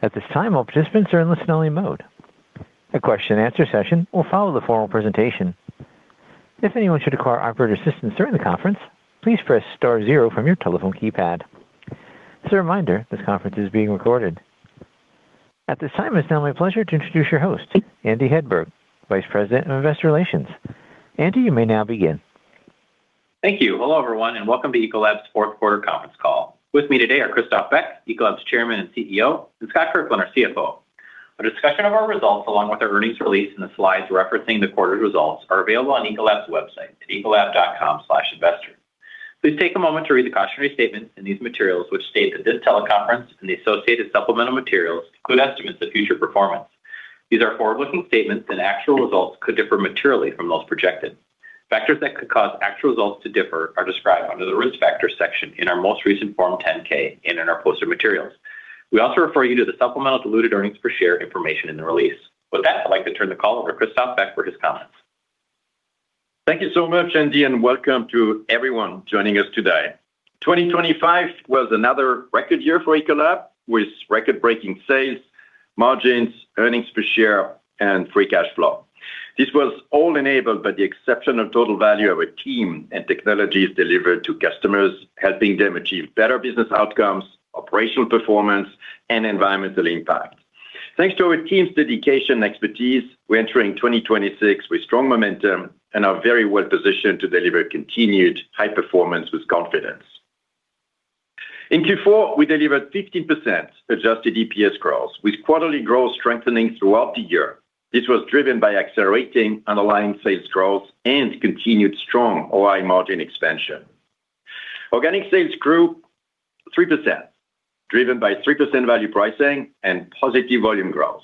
At this time, all participants are in listen-only mode. A question-and-answer session will follow the formal presentation. If anyone should require operator assistance during the conference, please press star zero from your telephone keypad. As a reminder, this conference is being recorded. At this time, it is now my pleasure to introduce your host, Andy Hedberg, Vice President of Investor Relations. Andy, you may now begin. Thank you. Hello everyone, and welcome to Ecolab's fourth quarter conference call. With me today are Christophe Beck, Ecolab's Chairman and CEO, and Scott Kirkland, our CFO. A discussion of our results along with our earnings release and the slides referencing the quarter's results are available on Ecolab's website at ecolab.com/investors. Please take a moment to read the cautionary statements in these materials which state that this teleconference and the associated supplemental materials include estimates of future performance. These are forward-looking statements, and actual results could differ materially from those projected. Factors that could cause actual results to differ are described under the Risk Factors section in our most recent Form 10-K and in our other materials. We also refer you to the supplemental diluted earnings per share information in the release. With that, I'd like to turn the call over to Christophe Beck for his comments. Thank you so much, Andy, and welcome to everyone joining us today. 2025 was another record year for Ecolab with record-breaking sales, margins, earnings per share, and free cash flow. This was all enabled by the exceptional total value our team and technologies delivered to customers, helping them achieve better business outcomes, operational performance, and environmental impact. Thanks to our team's dedication and expertise, we're entering 2026 with strong momentum and are very well positioned to deliver continued high performance with confidence. In Q4, we delivered 15% adjusted EPS growth, with quarterly growth strengthening throughout the year. This was driven by accelerating underlying sales growth and continued strong OI margin expansion. Organic sales grew 3%, driven by 3% value pricing and positive volume growth.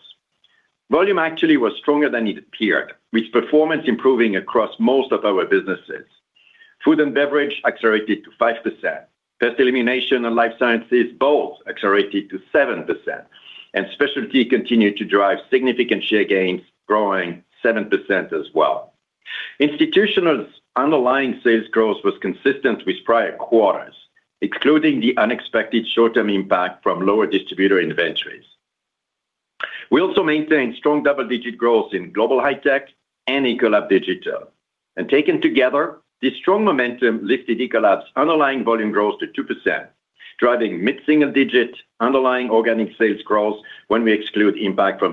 Volume actually was stronger than it appeared, with performance improving across most of our businesses. Food & Beverage accelerated to 5%. Life Sciences both accelerated to 7%, and Specialty continued to drive significant share gains, growing 7% as well. Institutional's underlying sales growth was consistent with prior quarters, excluding the unexpected short-term impact from lower distributor inventories. We also maintained strong double-digit growth in Global High Tech and Ecolab Digital. And taken together, this strong momentum lifted Ecolab's underlying volume growth to 2%, driving mid-single-digit underlying organic sales growth when we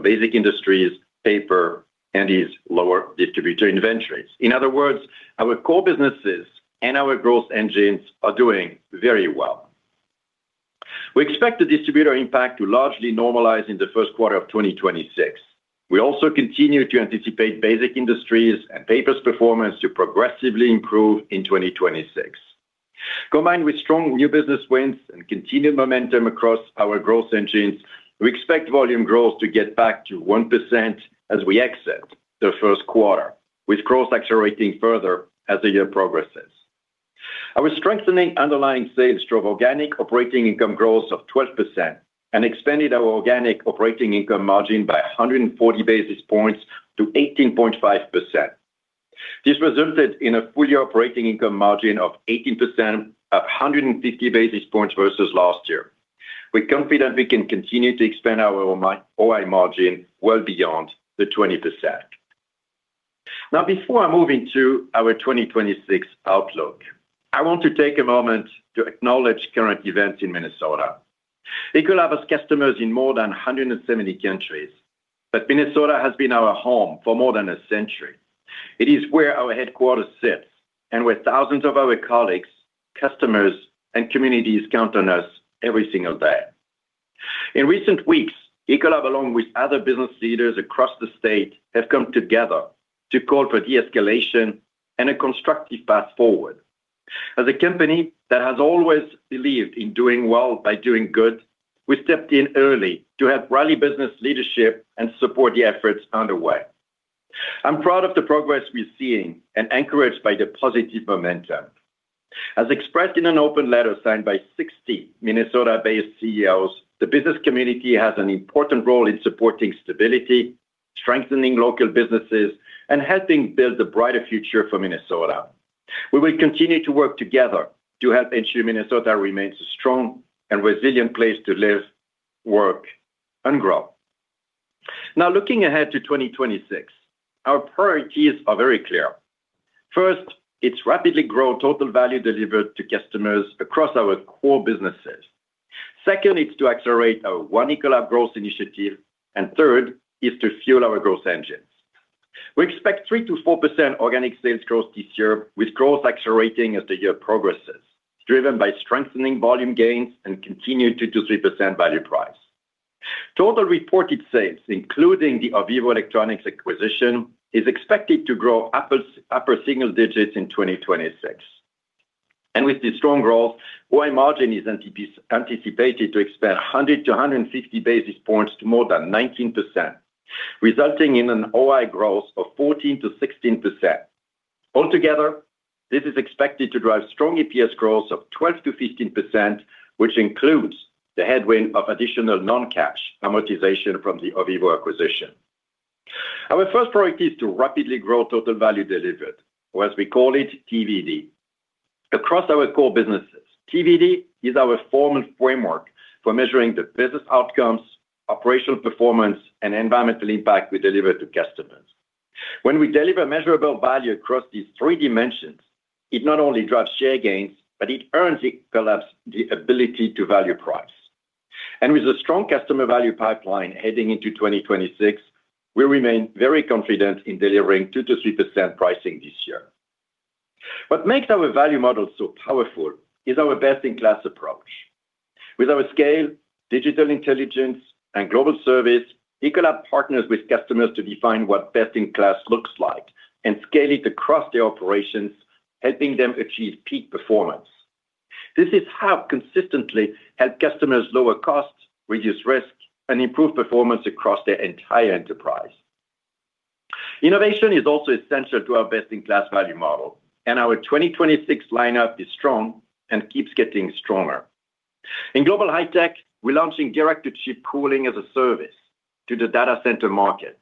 Basic Industries, Paper, and these lower distributor inventories. In other words, our core businesses and our growth engines are doing very well. We expect the distributor impact to largely normalize in the first quarter of 2026. We also continue Basic Industries and paper's performance to progressively improve in 2026. Combined with strong new business wins and continued momentum across our growth engines, we expect volume growth to get back to 1% as we exit the first quarter, with growth accelerating further as the year progresses. Our strengthening underlying sales drove organic operating income growth of 12% and expanded our organic operating income margin by 140 basis points to 18.5%. This resulted in a full-year operating income margin of 18%, up 150 basis points versus last year. We're confident we can continue to expand our OI margin well beyond the 20%. Now, before I move into our 2026 outlook, I want to take a moment to acknowledge current events in Minnesota. Ecolab has customers in more than 170 countries, but Minnesota has been our home for more than a century. It is where our headquarters sits and where thousands of our colleagues, customers, and communities count on us every single day. In recent weeks, Ecolab, along with other business leaders across the state, have come together to call for de-escalation and a constructive path forward. As a company that has always believed in doing well by doing good, we stepped in early to help rally business leadership and support the efforts underway. I'm proud of the progress we're seeing and encouraged by the positive momentum. As expressed in an open letter signed by 60 Minnesota-based CEOs, the business community has an important role in supporting stability, strengthening local businesses, and helping build a brighter future for Minnesota. We will continue to work together to help ensure Minnesota remains a strong and resilient place to live, work, and grow. Now, looking ahead to 2026, our priorities are very clear. First, it's to rapidly grow total value delivered to customers across our core businesses. Second, it's to accelerate our One Ecolab Growth Initiative. And third, it's to fuel our growth engines. We expect 3%-4% organic sales growth this year, with growth accelerating as the year progresses, driven by strengthening volume gains and continued 2%-3% value price. Total reported sales, including the Ovivo acquisition, is expected to grow upper single digits in 2026. And with this strong growth, OI margin is anticipated to expand 100-150 basis points to more than 19%, resulting in an OI growth of 14%-16%. Altogether, this is expected to drive strong EPS growth of 12%-15%, which includes the headwind of additional non-cash amortization from the Ovivo acquisition. Our first priority is to rapidly grow total value delivered, or as we call it, TVD. Across our core businesses, TVD is our formal framework for measuring the business outcomes, operational performance, and environmental impact we deliver to customers. When we deliver measurable value across these three dimensions, it not only drives share gains, but it earns Ecolab's ability to value price. And with a strong customer value pipeline heading into 2026, we remain very confident in delivering 2%-3% pricing this year. What makes our value model so powerful is our best-in-class approach. With our scale, digital intelligence, and global service, Ecolab partners with customers to define what best-in-class looks like and scale it across their operations, helping them achieve peak performance. This is how we consistently help customers lower costs, reduce risk, and improve performance across their entire enterprise. Innovation is also essential to our best-in-class value model, and our 2026 lineup is strong and keeps getting stronger. In Global High Tech, we're launching direct-to-chip cooling as a service to the data center market.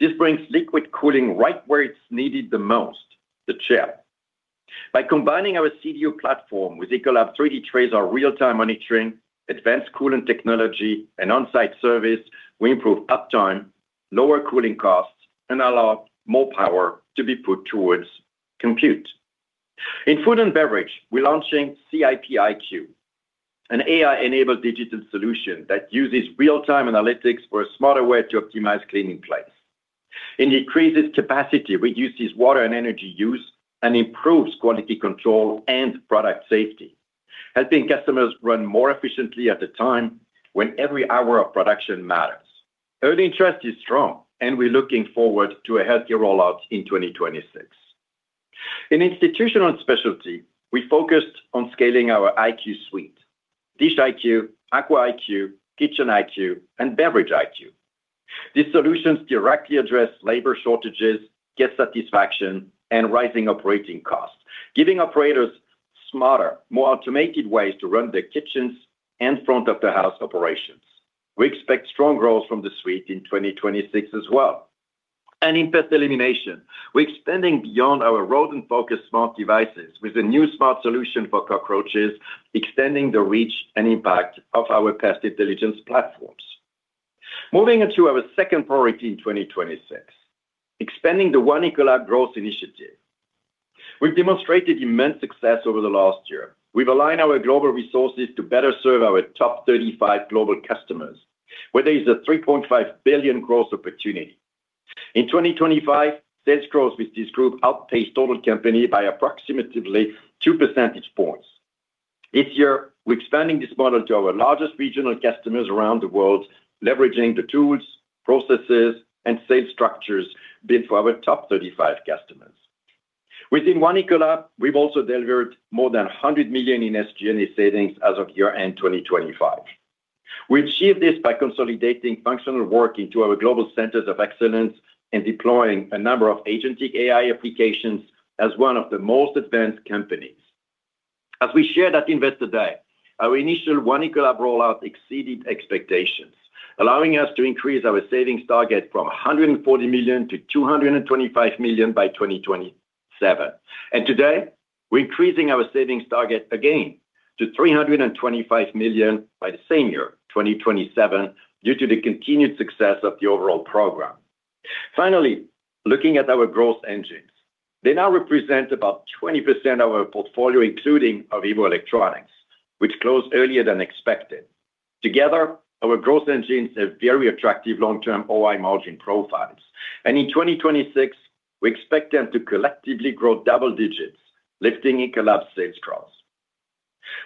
This brings liquid cooling right where it's needed the most, the chip. By combining our CDU platform with Ecolab 3D TRASAR real-time monitoring, advanced coolant technology, and on-site service, we improve uptime, lower cooling costs, and allow more power to be put towards compute. In Food & Beverage, we're launching CIP iQ, an AI-enabled digital solution that uses real-time analytics for a smarter way to optimize cleaning plants. It decreases capacity, reduces water and energy use, and improves quality control and product safety, helping customers run more efficiently at a time when every hour of production matters. Early interest is strong, and we're looking forward to a healthier rollout in 2026. In Institutional & Specialty, we focused on scaling our iQ suite: Dish iQ, Aqua iQ, Kitchen iQ, and Beverage iQ. These solutions directly address labor shortages, guest satisfaction, and rising operating costs, giving operators smarter, more automated ways to run their kitchens and front-of-the-house operations. We expect strong growth from the suite in 2026 as well. And in Pest Elimination, we're expanding beyond our rodent-focused smart devices with a new smart solution for cockroaches, extending the reach and impact of our Pest intelligence platforms. Moving into our second priority in 2026, expanding the One Ecolab Growth Initiative. We've demonstrated immense success over the last year. We've aligned our global resources to better serve our top 35 global customers, where there is a $3.5 billion growth opportunity. In 2025, sales growth with this group outpaced total company by approximately 2 percentage points. This year, we're expanding this model to our largest regional customers around the world, leveraging the tools, processes, and sales structures built for our top 35 customers. Within One Ecolab, we've also delivered more than $100 million in SG&A savings as of year-end 2025. We achieved this by consolidating functional work into our global centers of excellence and deploying a number of agentic AI applications as one of the most advanced companies. As we shared at Investor Day, our initial One Ecolab rollout exceeded expectations, allowing us to increase our savings target from $140 million to $225 million by 2027. And today, we're increasing our savings target again to $325 million by the same year, 2027, due to the continued success of the overall program. Finally, looking at our growth engines, they now represent about 20% of our portfolio, including Ovivo Inc., which closed earlier than expected. Together, our growth engines have very attractive long-term OI margin profiles. And in 2026, we expect them to collectively grow double digits, lifting Ecolab's sales growth.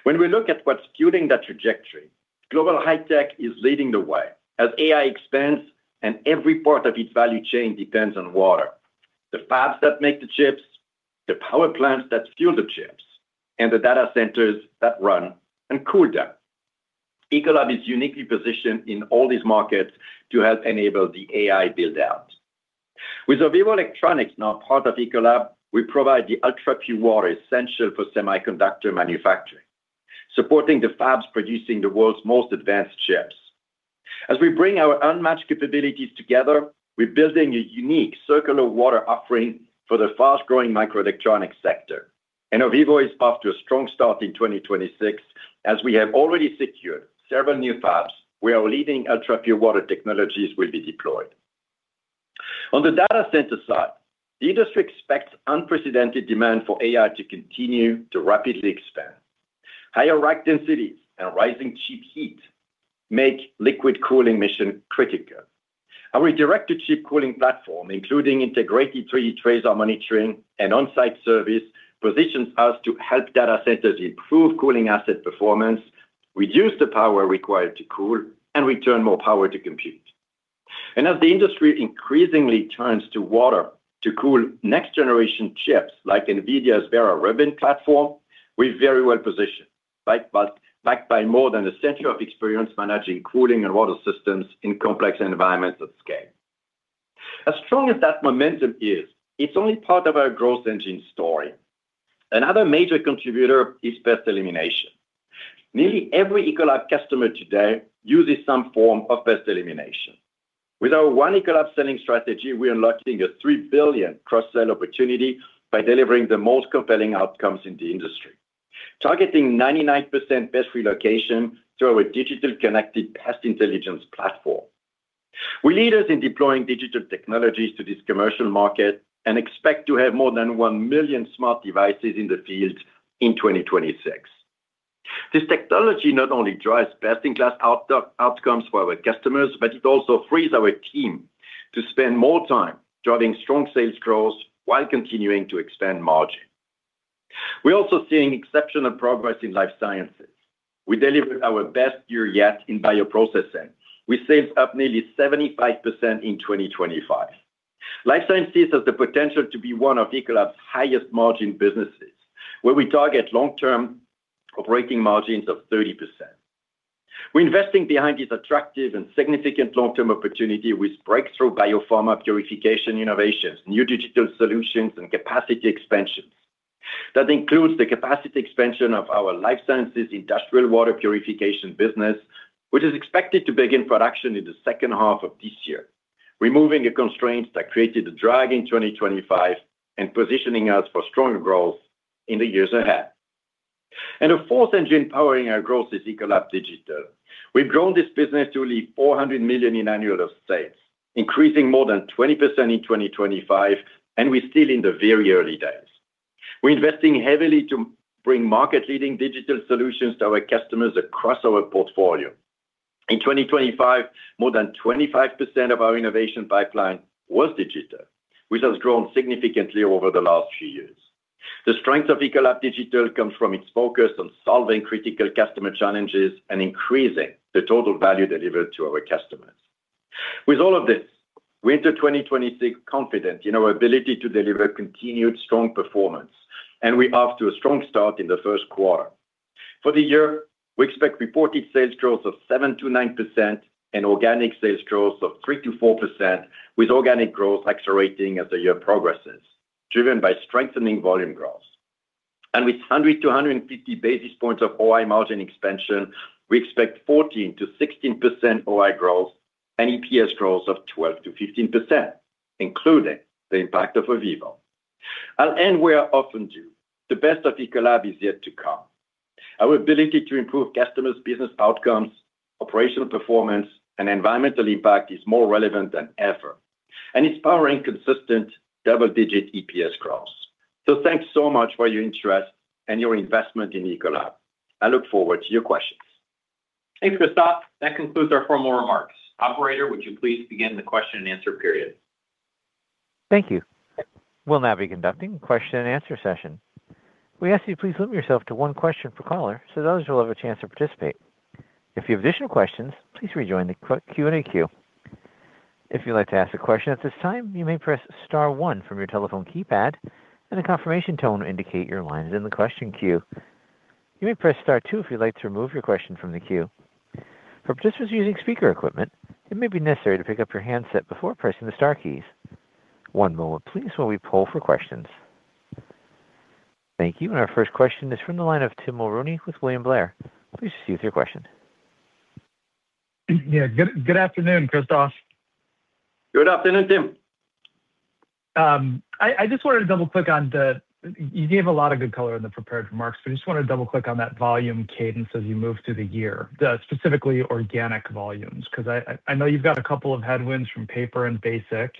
When we look at what's fueling that trajectory, Global High Tech is leading the way as AI expands and every part of its value chain depends on water: the fabs that make the chips, the power plants that fuel the chips, and the data centers that run and cool them. Ecolab is uniquely positioned in all these markets to help enable the AI build-out. With Ovivo now part of Ecolab, we provide the ultra-pure water essential for semiconductor manufacturing, supporting the fabs producing the world's most advanced chips. As we bring our unmatched capabilities together, we're building a unique circular water offering for the fast-growing microelectronics sector. Ovivo is off to a strong start in 2026 as we have already secured several new fabs where our leading ultra-pure water technologies will be deployed. On the data center side, the industry expects unprecedented demand for AI to continue to rapidly expand. Higher rack densities and rising chip heat make liquid cooling mission critical. Our direct-to-chip cooling platform, including integrated 3D TRASAR monitoring and on-site service, positions us to help data centers improve cooling asset performance, reduce the power required to cool, and return more power to compute. And as the industry increasingly turns to water to cool next-generation chips like NVIDIA's Vera Rubin platform, we're very well positioned, backed by more than a century of experience managing cooling and water systems in complex environments at scale. As strong as that momentum is, it's only part of our growth engine story. Another major contributor is Pest Elimination. Nearly every Ecolab customer today uses some form of Pest Elimination. With our One Ecolab selling strategy, we're unlocking a $3 billion cross-sale opportunity by delivering the most compelling outcomes in the industry, targeting 99% pest relocation through our digital-connected Pest Intelligence platform. We're leaders in deploying digital technologies to this commercial market and expect to have more than 1 million smart devices in the field in 2026. This technology not only drives best-in-class outcomes for our customers, but it also frees our team to spend more time driving strong sales growth while continuing to expand margin. We're Life Sciences. we delivered our best year yet in Bioprocessing, with sales Life Sciences has the potential to be one of Ecolab's highest-margin businesses, where we target long-term operating margins of 30%. We're investing behind this attractive and significant long-term opportunity with breakthrough biopharma purification innovations, new digital solutions, and capacity expansions. That includes Life Sciences industrial water purification business, which is expected to begin production in the second half of this year, removing the constraints that created a drag in 2025 and positioning us for stronger growth in the years ahead. The fourth engine powering our growth is Ecolab Digital. We've grown this business to $400 million in annual sales, increasing more than 20% in 2025, and we're still in the very early days. We're investing heavily to bring market-leading digital solutions to our customers across our portfolio. In 2025, more than 25% of our innovation pipeline was digital, which has grown significantly over the last few years. The strength of Ecolab Digital comes from its focus on solving critical customer challenges and increasing the Total Value Delivered to our customers. With all of this, we enter 2026 confident in our ability to deliver continued strong performance, and we're off to a strong start in the first quarter. For the year, we expect reported sales growth of 7%-9% and organic sales growth of 3%-4%, with organic growth accelerating as the year progresses, driven by strengthening volume growth. With 100 to 150 basis points of OI margin expansion, we expect 14%-16% OI growth and EPS growth of 12%-15%, including the impact of Ovivo. I'll end where I often do. The best of Ecolab is yet to come. Our ability to improve customers' business outcomes, operational performance, and environmental impact is more relevant than ever, and it's powering consistent double-digit EPS growth. Thanks so much for your interest and your investment in Ecolab. I look forward to your questions. Thank you, Christophe Beck. That concludes our formal remarks. Operator, would you please begin the question and answer period? Thank you. We'll now be conducting a question-and-answer session. We ask that you please limit yourself to one question per caller, so those who will have a chance to participate. If you have additional questions, please rejoin the Q&A queue. If you'd like to ask a question at this time, you may press star one from your telephone keypad, and a confirmation tone will indicate your line is in the question queue. You may press star two if you'd like to remove your question from the queue. For participants using speaker equipment, it may be necessary to pick up your handset before pressing the star keys. One moment, please, while we pull for questions. Thank you. And our first question is from the line of Tim Mulrooney with William Blair. Please proceed with your question. Yeah. Good afternoon, Christophe. Good afternoon, Tim. I just wanted to double-click on the color you gave a lot of good color in the prepared remarks, but I just wanted to double-click on that volume cadence as you move through the year, specifically organic volumes, because I know you've got a couple of headwinds from paper and basic,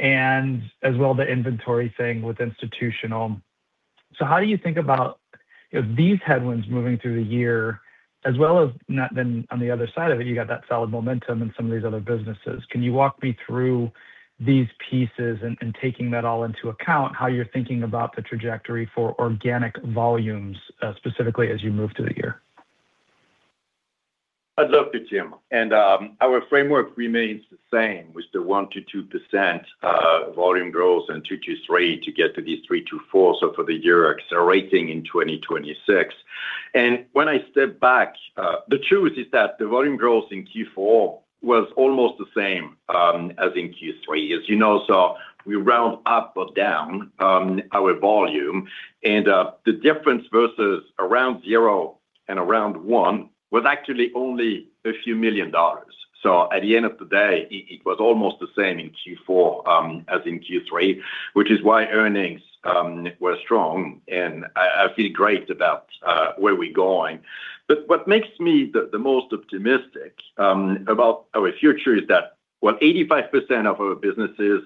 and as well the inventory thing with Institutional. So how do you think about these headwinds moving through the year, as well as then on the other side of it, you got that solid momentum in some of these other businesses? Can you walk me through these pieces and taking that all into account, how you're thinking about the trajectory for organic volumes, specifically as you move through the year? I'd love to, Tim. Our framework remains the same, which is the 1%-2% volume growth and 2%-3% to get to these 3%-4%. So for the year, accelerating in 2026. And when I step back, the truth is that the volume growth in Q4 was almost the same as in Q3, as you know. So we round up or down our volume. And the difference versus around 0 and around 1 was actually only $a few million. So at the end of the day, it was almost the same in Q4 as in Q3, which is why earnings were strong. And I feel great about where we're going. But what makes me the most optimistic about our future is that, well, 85% of our businesses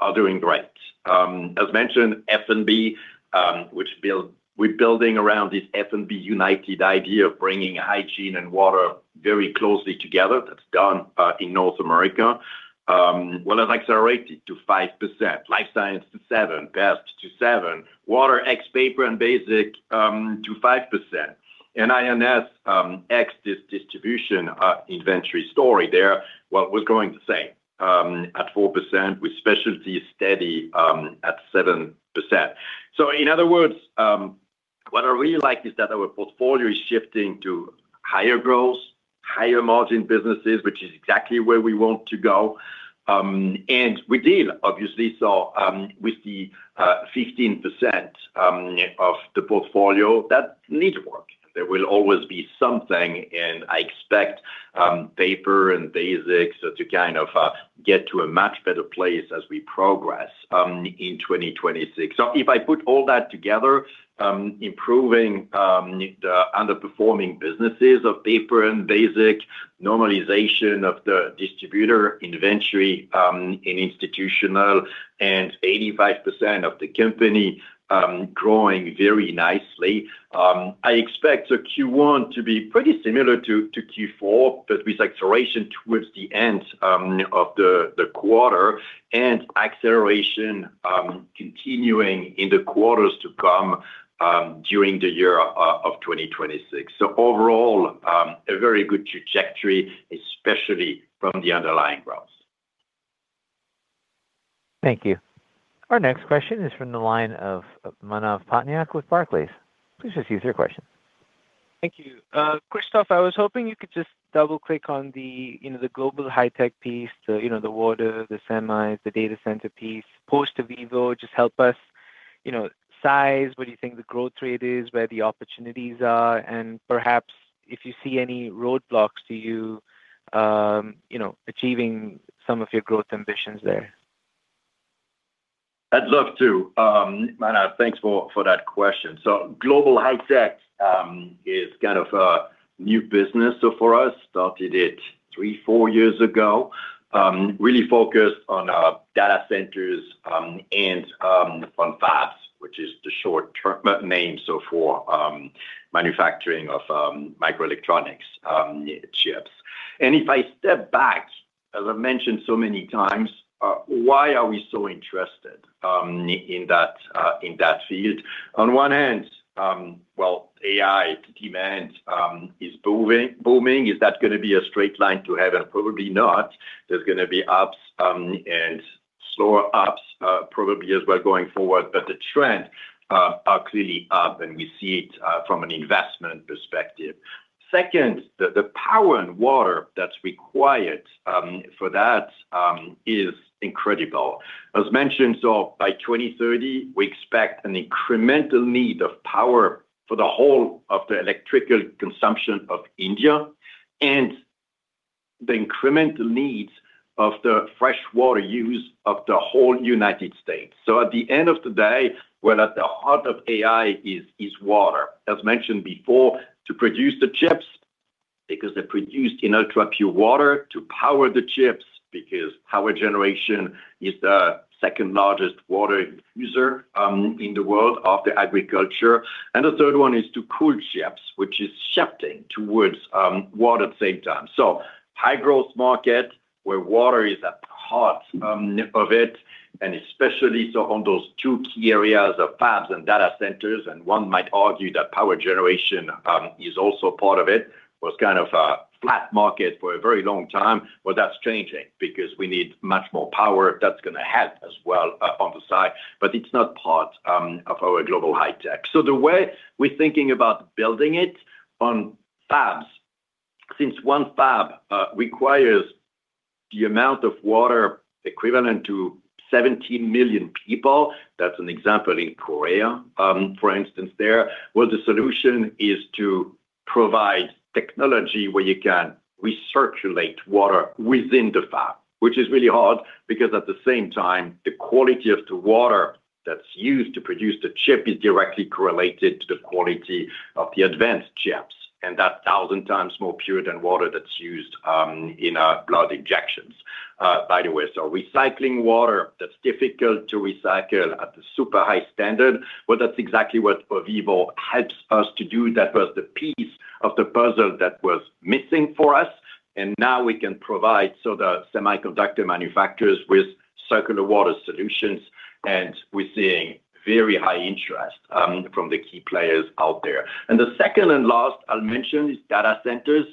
are doing great. As mentioned, F&B, which we're building around this F&B United idea of bringing hygiene and water very closely together. That's done in North America. Well, it's accelerated Life Sciences to 7%, pest to 7%, water ex paper and basic to 5%. And I&S ex this distribution inventory story, there, well, it was going the same at 4% with Specialty steady at 7%. So in other words, what I really like is that our portfolio is shifting to higher growth, higher margin businesses, which is exactly where we want to go. And we deal, obviously, with the 15% of the portfolio that need to work. There will always be something, and I expect paper and basics to kind of get to a much better place as we progress in 2026. So if I put all that together, improving the underperforming businesses of paper and basic, normalization of the distributor inventory in Institutional, and 85% of the company growing very nicely, I expect Q1 to be pretty similar to Q4, but with acceleration towards the end of the quarter and acceleration continuing in the quarters to come during the year of 2026. So overall, a very good trajectory, especially from the underlying growth. Thank you. Our next question is from the line of Manav Patnaik with Barclays. Please just use your question. Thank you. Christophe, I was hoping you could just double-click on the Global High Tech piece, the water, the semis, the data center piece, post-Ovivo, just help us size what do you think the growth rate is, where the opportunities are, and perhaps if you see any roadblocks to you achieving some of your growth ambitions there? I'd love to. Manav, thanks for that question. So Global High Tech is kind of a new business for us, started it 3-4 years ago, really focused on data centers and on fabs, which is the short name for semiconductor manufacturing of microelectronics chips. And if I step back, as I've mentioned so many times, why are we so interested in that field? On one hand, well, AI demand is booming. Is that going to be a straight line to heaven? Probably not. There's going to be ups and slower ups probably as well going forward, but the trends are clearly up, and we see it from an investment perspective. Second, the power and water that's required for that is incredible. As mentioned, so by 2030, we expect an incremental need of power for the whole of the electrical consumption of India and the incremental needs of the freshwater use of the whole United States. So at the end of the day, well, at the heart of AI is water, as mentioned before, to produce the chips because they're produced in ultra-pure water to power the chips because power generation is the second-largest water user in the world after agriculture. And the third one is to cool chips, which is shifting towards water at the same time. So high-growth market where water is at the heart of it, and especially so on those two key areas of fabs and data centers. And one might argue that power generation is also part of it. It was kind of a flat market for a very long time. Well, that's changing because we need much more power. That's going to help as well on the side, but it's not part of our Global High Tech. So the way we're thinking about building it on fabs, since one fab requires the amount of water equivalent to 17 million people, that's an example in Korea, for instance, there. Well, the solution is to provide technology where you can recirculate water within the fab, which is really hard because at the same time, the quality of the water that's used to produce the chip is directly correlated to the quality of the advanced chips. And that's 1,000 times more pure than water that's used in blood injections, by the way. So recycling water that's difficult to recycle at the super high standard. Well, that's exactly what Ovivo helps us to do. That was the piece of the puzzle that was missing for us. Now we can provide to the semiconductor manufacturers with circular water solutions, and we're seeing very high interest from the key players out there. The second and last I'll mention is data centers.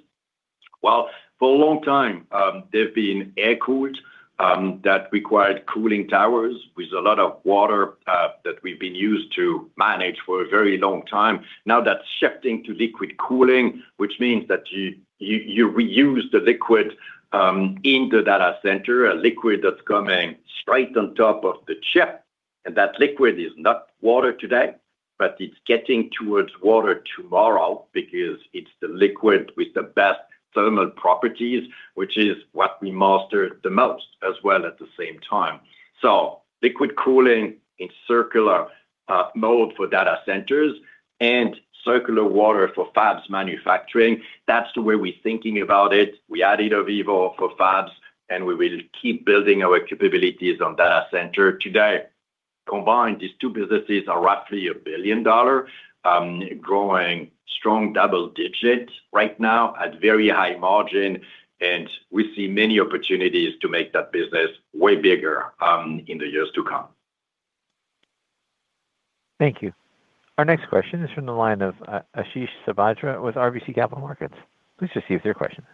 Well, for a long time, they've been air-cooled. That required cooling towers with a lot of water that we've been used to manage for a very long time. Now that's shifting to liquid cooling, which means that you reuse the liquid in the data center, a liquid that's coming straight on top of the chip. And that liquid is not water today, but it's getting towards water tomorrow because it's the liquid with the best thermal properties, which is what we master the most as well at the same time. Liquid cooling in circular mode for data centers and circular water for fabs manufacturing, that's the way we're thinking about it. We added Ovivo for fabs, and we will keep building our capabilities on data center today. Combined, these two businesses are roughly $1 billion, growing strong double-digit right now at very high margin. We see many opportunities to make that business way bigger in the years to come. Thank you. Our next question is from the line of Ashish Sabadra with RBC Capital Markets. Please receive your question.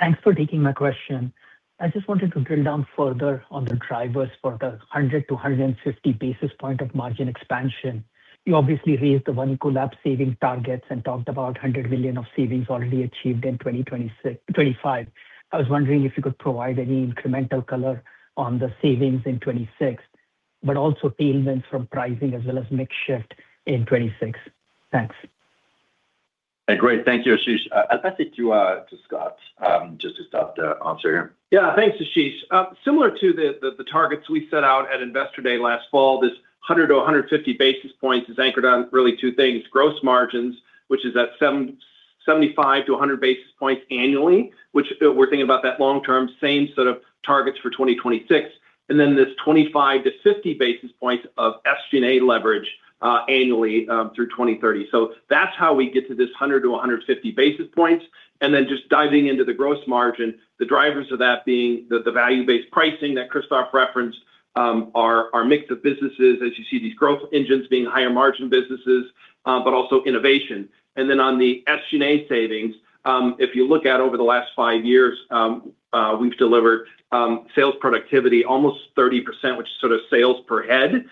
Thanks for taking my question. I just wanted to drill down further on the drivers for the 100-150 basis points of margin expansion. You obviously raised the One Ecolab savings targets and talked about $100 million of savings already achieved in 2025. I was wondering if you could provide any incremental color on the savings in 2026, but also tailwinds from pricing as well as mix shift in 2026. Thanks. Great. Thank you, Ashish. I'll pass it to Scott just to start the answer here. Yeah. Thanks, Ashish. Similar to the targets we set out at Investor Day last fall, this 100-150 basis points is anchored on really two things: gross margins, which is at 75-100 basis points annually, which we're thinking about that long-term, same sort of targets for 2026, and then this 25-50 basis points of SG&A leverage annually through 2030. So that's how we get to this 100-150 basis points. And then just diving into the gross margin, the drivers of that being the value-based pricing that Christophe referenced, our mix of businesses, as you see these growth engines being higher margin businesses, but also innovation. And then on the SG&A savings, if you look at over the last five years, we've delivered sales productivity almost 30%, which is sort of sales per head,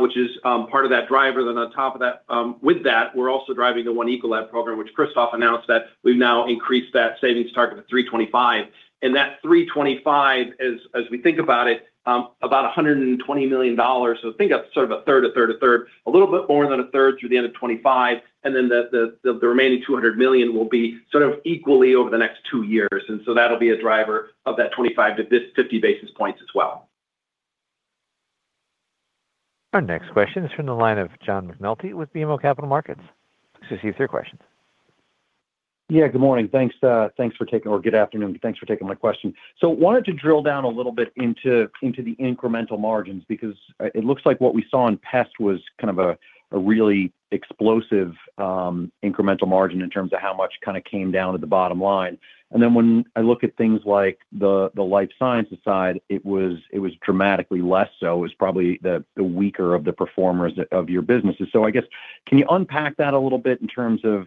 which is part of that driver. Then on top of that, with that, we're also driving the One Ecolab program, which Christophe announced that we've now increased that savings target to $325 million. And that $325 million, as we think about it, about $120 million. So think of sort of a third, a third, a third, a little bit more than a third through the end of 2025. And then the remaining $200 million will be sort of equally over the next two years. And so that'll be a driver of that 25-50 basis points as well. Our next question is from the line of John McNulty with BMO Capital Markets. Please receive your questions. Yeah. Good morning or good afternoon. Thanks for taking my question. So wanted to drill down a little bit into the incremental margins because it looks like what we saw in pest was kind of a really explosive incremental margin in terms of how much kind of came down to the bottom line. And then when I Life Sciences side, it was dramatically less so. It was probably the weaker of the performers of your businesses. So I guess, can you unpack that a little bit in terms of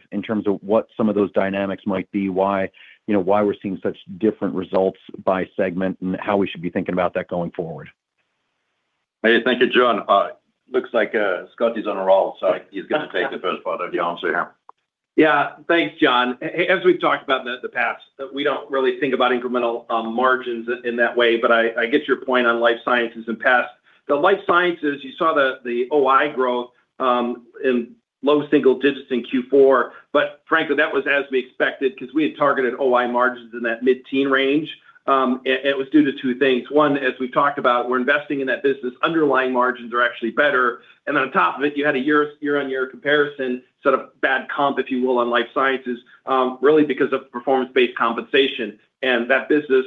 what some of those dynamics might be, why we're seeing such different results by segment, and how we should be thinking about that going forward? Hey, thank you, John. Looks like Scott on a roll, so he's going to take the first part of the answer here. Yeah. Thanks, John. As we've talked about in the past, we don't really think about incremental margins in that way. But Life Sciences, you saw the oi growth in low single digits in Q4. But frankly, that was as we expected because we had targeted OI margins in that mid-teen range. It was due to two things. One, as we've talked about, we're investing in that business. Underlying margins are actually better. And then on top of it, you had a year-on-year comparison, sort of bad Life Sciences, really because of performance-based compensation. And that business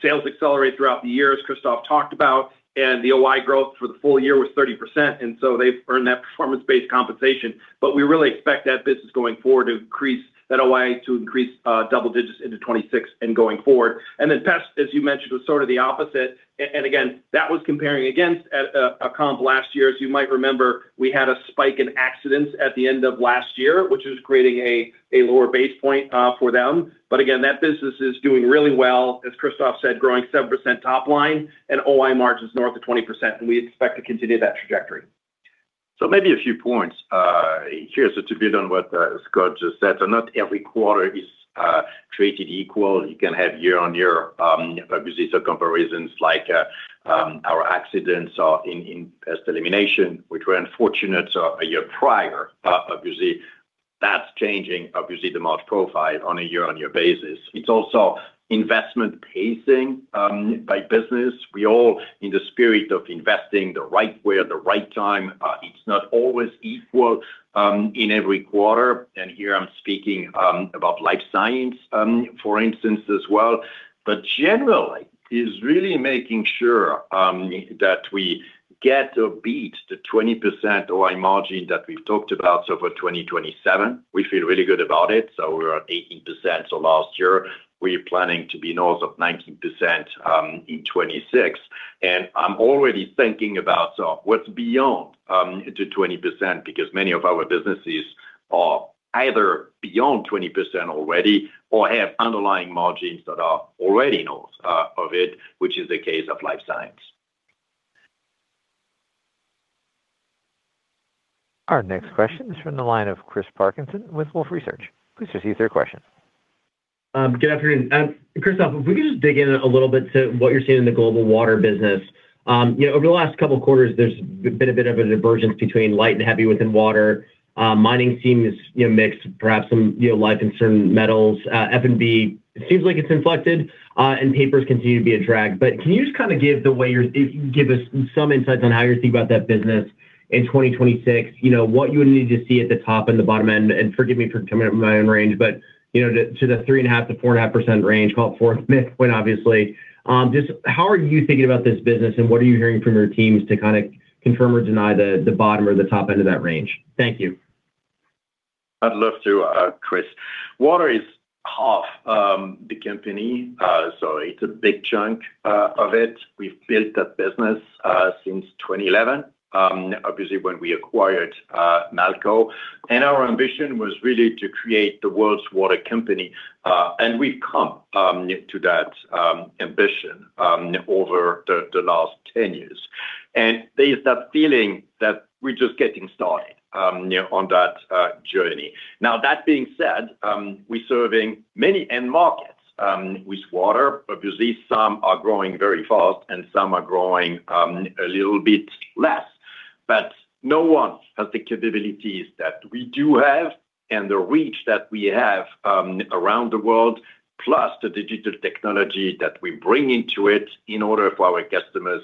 sales accelerate throughout the year, as Christophe talked about. And the OI growth for the full year was 30%. And so they've earned that performance-based compensation. But we really expect that business going forward to increase that OI to increase double digits into 2026 and going forward. And then pest, as you mentioned, was sort of the opposite. And again, that was comparing against a comp last year. As you might remember, we had a spike in accidents at the end of last year, which was creating a lower base point for them. But again, that business is doing really well, as Christophe said, growing 7% top line and OI margins north of 20%. And we expect to continue that trajectory. So maybe a few points here to build on what Scott just said. Not every quarter is created equal. You can have year-on-year, obviously, some comparisons like our accidents in Pest Elimination, which were unfortunate a year prior. Obviously, that's changing, obviously, the margin profile on a year-on-year basis. It's also investment pacing by business. We all, in the spirit of investing the right way, at the right time, it's not always equal in every quarter. And here I'm Life Sciences, for instance, as well. But generally, it's really making sure that we get to beat the 20% OI margin that we've talked about so far 2027. We feel really good about it. So we're at 18%. So last year, we're planning to be north of 19% in 2026. I'm already thinking about what's beyond the 20% because many of our businesses are either beyond 20% already or have underlying margins that are already north of it, which is the case of Life Sciences. Our next question is from the line of Chris Parkinson with Wolfe Research. Please receive your question. Good afternoon. Christophe, if we could just dig in a little bit to what you're seeing in the global water business. Over the last couple of quarters, there's been a bit of a divergence between light and heavy within water. Mining seems mixed, perhaps some life-concerning metals. F&B, it seems like it's inflected, and papers continue to be a drag. But can you just kind of give us some insights on how you're thinking about that business in 2026, what you would need to see at the top and the bottom end? And forgive me for coming out of my own range, but to the 3.5%-4.5% range, call it fourth, fifth point, obviously. Just how are you thinking about this business, and what are you hearing from your teams to kind of confirm or deny the bottom or the top end of that range? Thank you. I'd love to, Chris. Water is half the company. So it's a big chunk of it. We've built that business since 2011, obviously, when we acquired Nalco. And our ambition was really to create the world's water company. And we've come to that ambition over the last 10 years. And there's that feeling that we're just getting started on that journey. Now, that being said, we're serving many end markets with water. Obviously, some are growing very fast, and some are growing a little bit less. But no one has the capabilities that we do have and the reach that we have around the world, plus the digital technology that we bring into it in order for our customers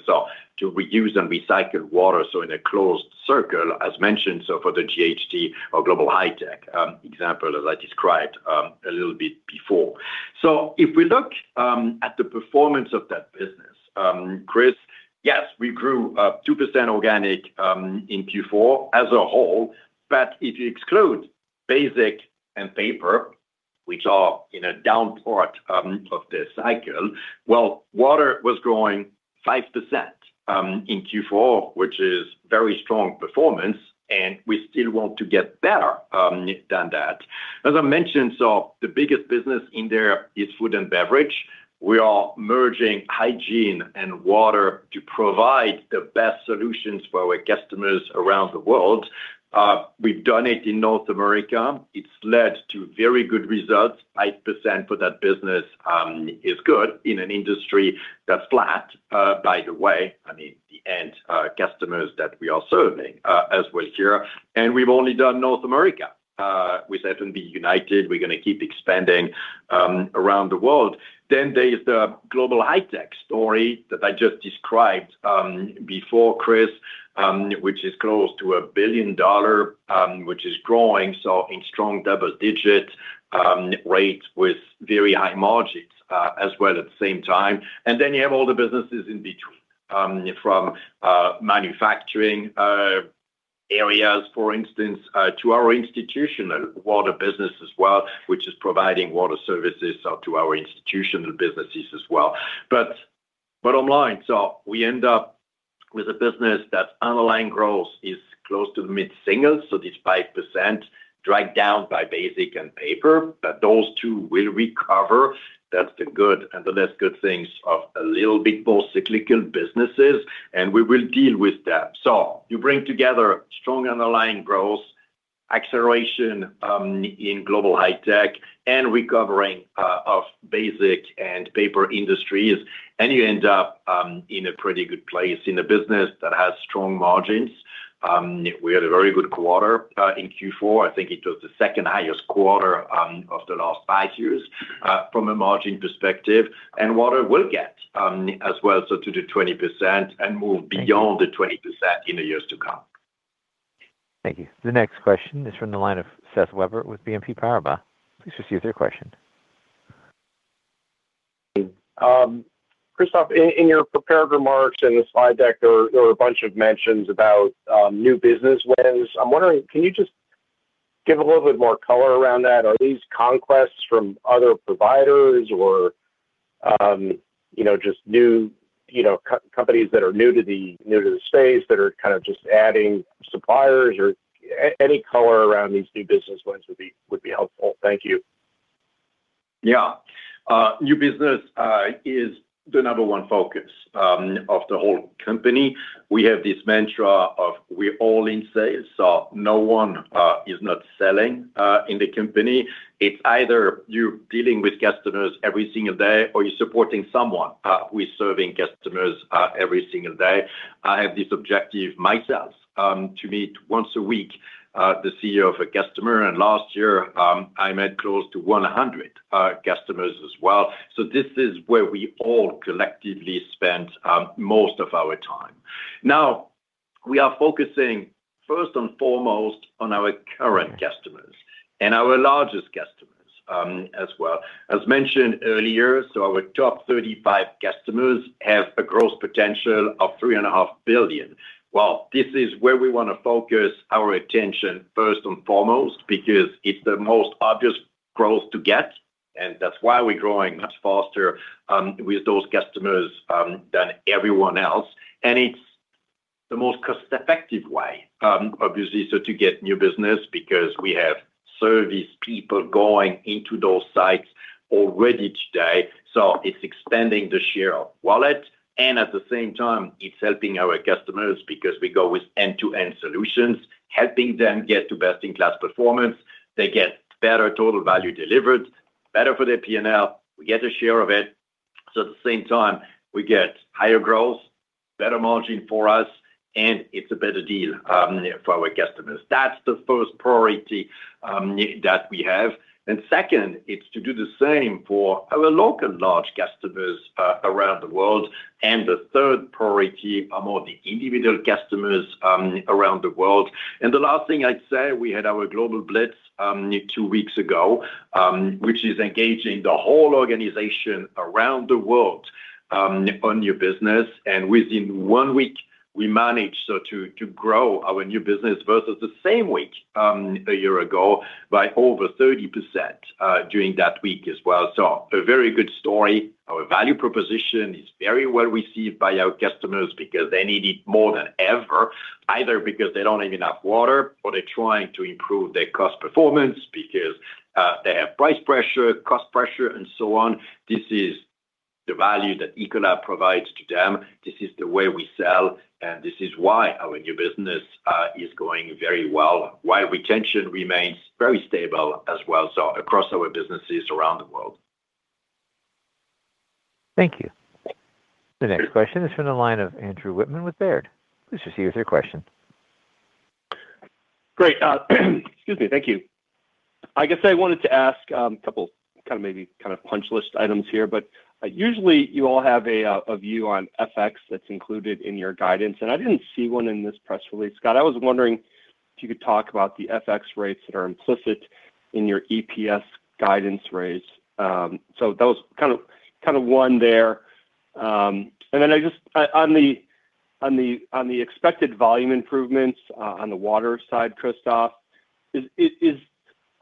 to reuse and recycle water. So in a closed circle, as mentioned, so for the GHT or Global High Tech example, as I described a little bit before. So if we look at the performance of that business, Chris, yes, we grew 2% organic in Q4 as a whole. But if you exclude pulp and paper, which are in a down part of the cycle, well, water was growing 5% in Q4, which is very strong performance. And we still want to get better than that. As I mentioned, so the biggest business in there is Food & Beverage. We are merging hygiene and water to provide the best solutions for our customers around the world. We've done it in North America. It's led to very good results. 5% for that business is good in an industry that's flat, by the way. I mean, the end customers that we are serving as well here. And we've only done North America with F&B unit. We're going to keep expanding around the world. Then there's the Global High Tech story that I just described before, Chris, which is close to $1 billion, which is growing. So in strong double-digit rate with very high margins as well at the same time. And then you have all the businesses in between, from manufacturing areas, for instance, to our Institutional water business as well, which is providing water services to our Institutional businesses as well. But online, so we end up with a business that's underlying growth is close to the mid-singles. So this 5% dragged down by basic and paper. But those two will recover. That's the good and the less good things of a little bit more cyclical businesses. And we will deal with that. So you bring together strong underlying growth, acceleration in Global High Tech, and recovering of basic and paper industries. You end up in a pretty good place in a business that has strong margins. We had a very good quarter in Q4. I think it was the second highest quarter of the last five years from a margin perspective. Water will get as well. So to the 20% and move beyond the 20% in the years to come. Thank you. The next question is from the line of Seth Weber with Wells Fargo. Please receive your question. Christophe, in your prepared remarks and the slide deck, there were a bunch of mentions about new business wins. I'm wondering, can you just give a little bit more color around that? Are these conquests from other providers or just new companies that are new to the space that are kind of just adding suppliers? Or any color around these new business wins would be helpful. Thank you. Yeah. New business is the number one focus of the whole company. We have this mantra of we're all in sales. So no one is not selling in the company. It's either you're dealing with customers every single day, or you're supporting someone. We're serving customers every single day. I have this objective myself to meet once a week the CEO of a customer. And last year, I met close to 100 customers as well. So this is where we all collectively spend most of our time. Now, we are focusing, first and foremost, on our current customers and our largest customers as well. As mentioned earlier, so our top 35 customers have a gross potential of $3.5 billion. Well, this is where we want to focus our attention first and foremost because it's the most obvious growth to get. And that's why we're growing much faster with those customers than everyone else. And it's the most cost-effective way, obviously, to get new business because we have service people going into those sites already today. So it's expanding the share of wallet. And at the same time, it's helping our customers because we go with end-to-end solutions, helping them get to best-in-class performance. They get better Total Value Delivered, better for their P&L. We get a share of it. So at the same time, we get higher growth, better margin for us, and it's a better deal for our customers. That's the first priority that we have. And second, it's to do the same for our local large customers around the world. And the third priority are more the individual customers around the world. The last thing I'd say, we had our global blitz two weeks ago, which is engaging the whole organization around the world on new business. Within one week, we managed to grow our new business versus the same week a year ago by over 30% during that week as well. A very good story. Our value proposition is very well received by our customers because they need it more than ever, either because they don't have enough water, or they're trying to improve their cost performance because they have price pressure, cost pressure, and so on. This is the value that Ecolab provides to them. This is the way we sell. And this is why our new business is going very well, while retention remains very stable as well across our businesses around the world. Thank you. The next question is from the line of Andrew Wittmann with Baird. Please receive your question. Great. Excuse me. Thank you. I guess I wanted to ask a couple kind of maybe kind of punch list items here. But usually, you all have a view on FX that's included in your guidance. And I didn't see one in this press release, Scott. I was wondering if you could talk about the FX rates that are implicit in your EPS guidance rates. So that was kind of one there. And then just on the expected volume improvements on the water side, Christophe, are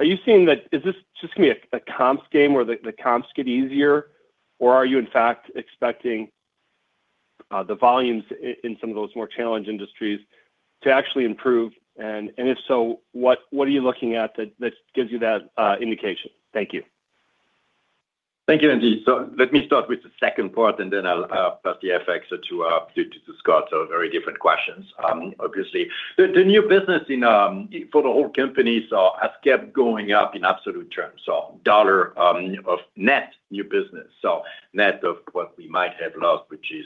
you seeing that? Is this just going to be a comps game where the comps get easier? Or are you, in fact, expecting the volumes in some of those more challenged industries to actually improve? And if so, what are you looking at that gives you that indication? Thank you. Thank you, Andy. So let me start with the second part, and then I'll pass the mic to Scott for very different questions, obviously. The new business for the whole company has kept going up in absolute terms, so dollar of net new business, so net of what we might have lost, which is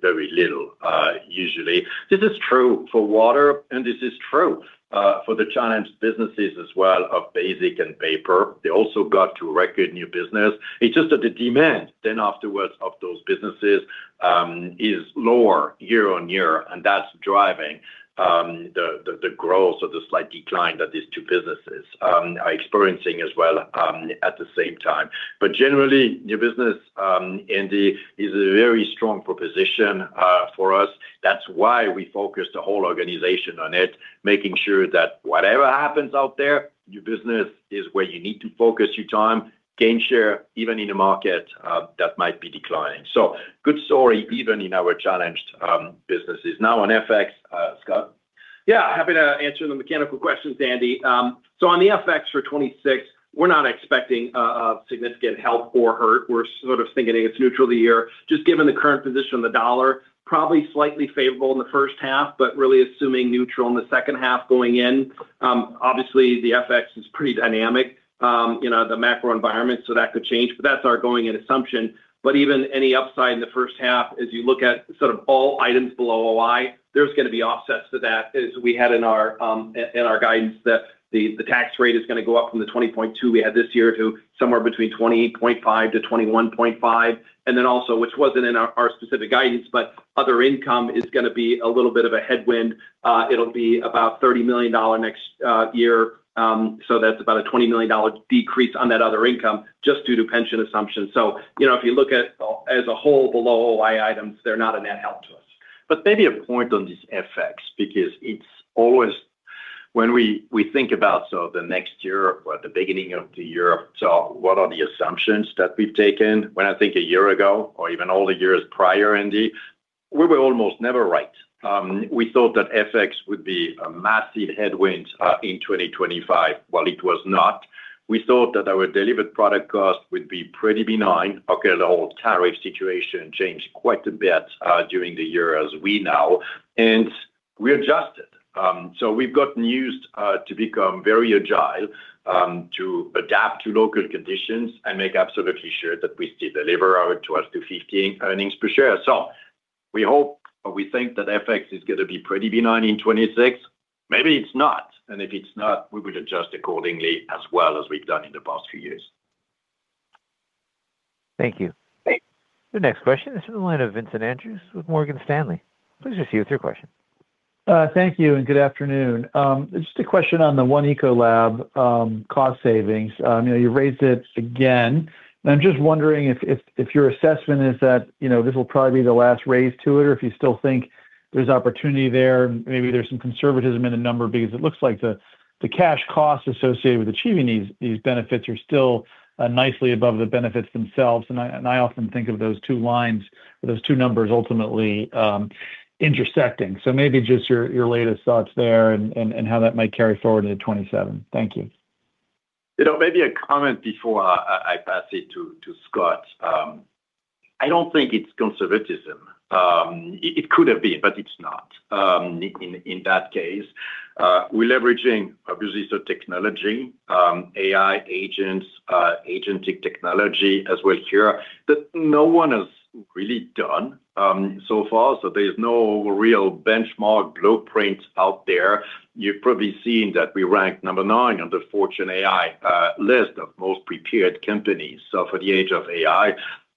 very little usually. This is true for water. And this is true for the challenged businesses as well of basic and paper. They also got to record new business. It's just that the demand then afterwards of those businesses is lower year-over-year. And that's driving the growth or the slight decline that these two businesses are experiencing as well at the same time. But generally, new business, Andy, is a very strong proposition for us. That's why we focus the whole organization on it, making sure that whatever happens out there, new business is where you need to focus your time, gain share, even in a market that might be declining. So good story even in our challenged businesses. Now on FX, Scott? Yeah. Happy to answer the mechanical questions, Andy. So on the FX for 2026, we're not expecting significant help or hurt. We're sort of thinking it's neutral the year, just given the current position of the dollar, probably slightly favorable in the first half, but really assuming neutral in the second half going in. Obviously, the FX is pretty dynamic, the macro environment. So that could change. But that's our going-in assumption. But even any upside in the first half, as you look at sort of all items below OI, there's going to be offsets to that. As we had in our guidance, the tax rate is going to go up from the 20.2% we had this year to somewhere between 20.5%-21.5%. And then also, which wasn't in our specific guidance, but other income is going to be a little bit of a headwind. It'll be about $30 million next year. So that's about a $20 million decrease on that other income just due to pension assumptions. So if you look at as a whole below OI items, they're not a net help to us. But maybe a point on this FX because it's always, when we think about so the next year or the beginning of the year, so what are the assumptions that we've taken. When I think a year ago or even all the years prior, Andy, we were almost never right. We thought that FX would be a massive headwind in 2025, while it was not. We thought that our delivered product cost would be pretty benign. Okay, the whole tariff situation changed quite a bit during the year as we know. And we adjusted. So we've gotten used to become very agile, to adapt to local conditions, and make absolutely sure that we still deliver our 12-15 earnings per share. So we hope or we think that FX is going to be pretty benign in 2026. Maybe it's not. If it's not, we would adjust accordingly as well as we've done in the past few years. Thank you. The next question is from the line of Vincent Andrews with Morgan Stanley. Please receive your question. Thank you. Good afternoon. Just a question on the One Ecolab cost savings. You raised it again. I'm just wondering if your assessment is that this will probably be the last raise to it or if you still think there's opportunity there. Maybe there's some conservatism in the number because it looks like the cash costs associated with achieving these benefits are still nicely above the benefits themselves. I often think of those two lines or those two numbers ultimately intersecting. Maybe just your latest thoughts there and how that might carry forward into 2027. Thank you. Maybe a comment before I pass it to Scott. I don't think it's conservatism. It could have been, but it's not in that case. We're leveraging, obviously, some technology, AI agents, agentic technology as well here that no one has really done so far. So there's no real benchmark blueprint out there. You've probably seen that we ranked number nine on the Fortune AI list of most prepared companies. So for the age of AI,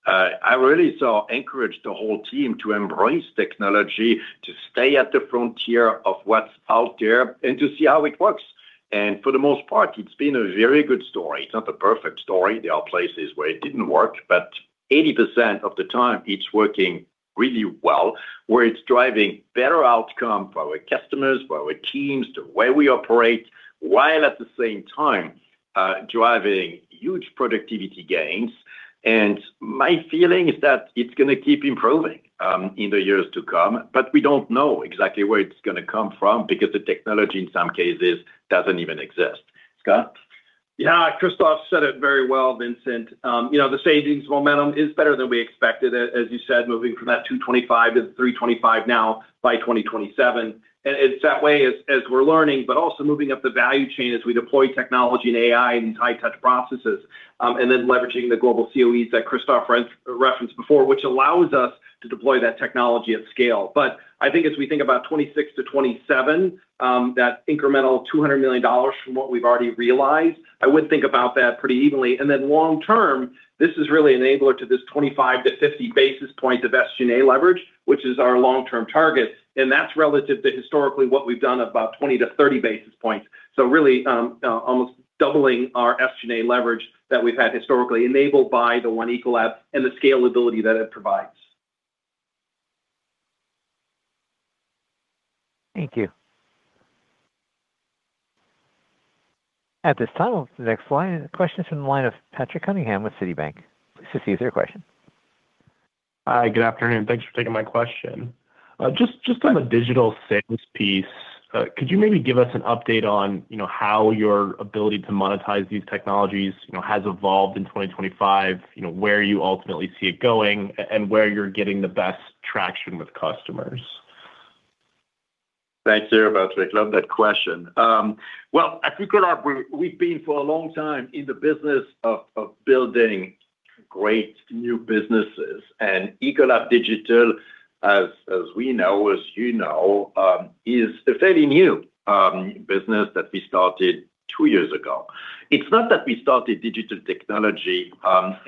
I really saw encourage the whole team to embrace technology, to stay at the frontier of what's out there, and to see how it works. And for the most part, it's been a very good story. It's not a perfect story. There are places where it didn't work. But 80% of the time, it's working really well, where it's driving better outcome for our customers, for our teams, the way we operate, while at the same time driving huge productivity gains. And my feeling is that it's going to keep improving in the years to come. But we don't know exactly where it's going to come from because the technology, in some cases, doesn't even exist. Scott? Yeah. Christophe said it very well, Vincent. The savings momentum is better than we expected, as you said, moving from that 225 to the 325 now by 2027. And it's that way as we're learning, but also moving up the value chain as we deploy technology and AI in these high-touch processes and then leveraging the global COEs that Christophe referenced before, which allows us to deploy that technology at scale. But I think as we think about 2026 to 2027, that incremental $200 million from what we've already realized, I would think about that pretty evenly. And then long term, this is really an enabler to this 25 to 50 basis point of SG&A leverage, which is our long-term target. And that's relative to historically what we've done of about 20 to 30 basis points. Really almost doubling our SG&A leverage that we've had historically enabled by the One Ecolab and the scalability that it provides. Thank you. At this time, the next question is from the line of Patrick Cunningham with Citi. This is easier question. Hi. Good afternoon. Thanks for taking my question. Just on the digital sales piece, could you maybe give us an update on how your ability to monetize these technologies has evolved in 2025, where you ultimately see it going, and where you're getting the best traction with customers? Thanks, there Patrick. I love that question. Well, at Ecolab, we've been for a long time in the business of building great new businesses. And Ecolab Digital, as we know, as you know, is a fairly new business that we started two years ago. It's not that we started digital technology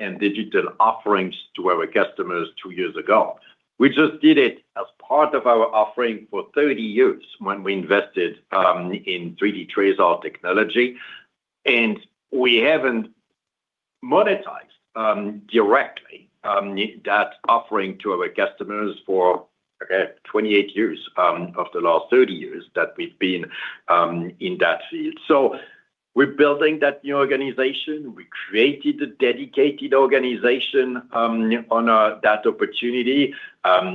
and digital offerings to our customers two years ago. We just did it as part of our offering for 30 years when we invested in 3D TRASAR technology. And we haven't monetized directly that offering to our customers for, okay, 28 years of the last 30 years that we've been in that field. So we're building that new organization. We created a dedicated organization on that opportunity.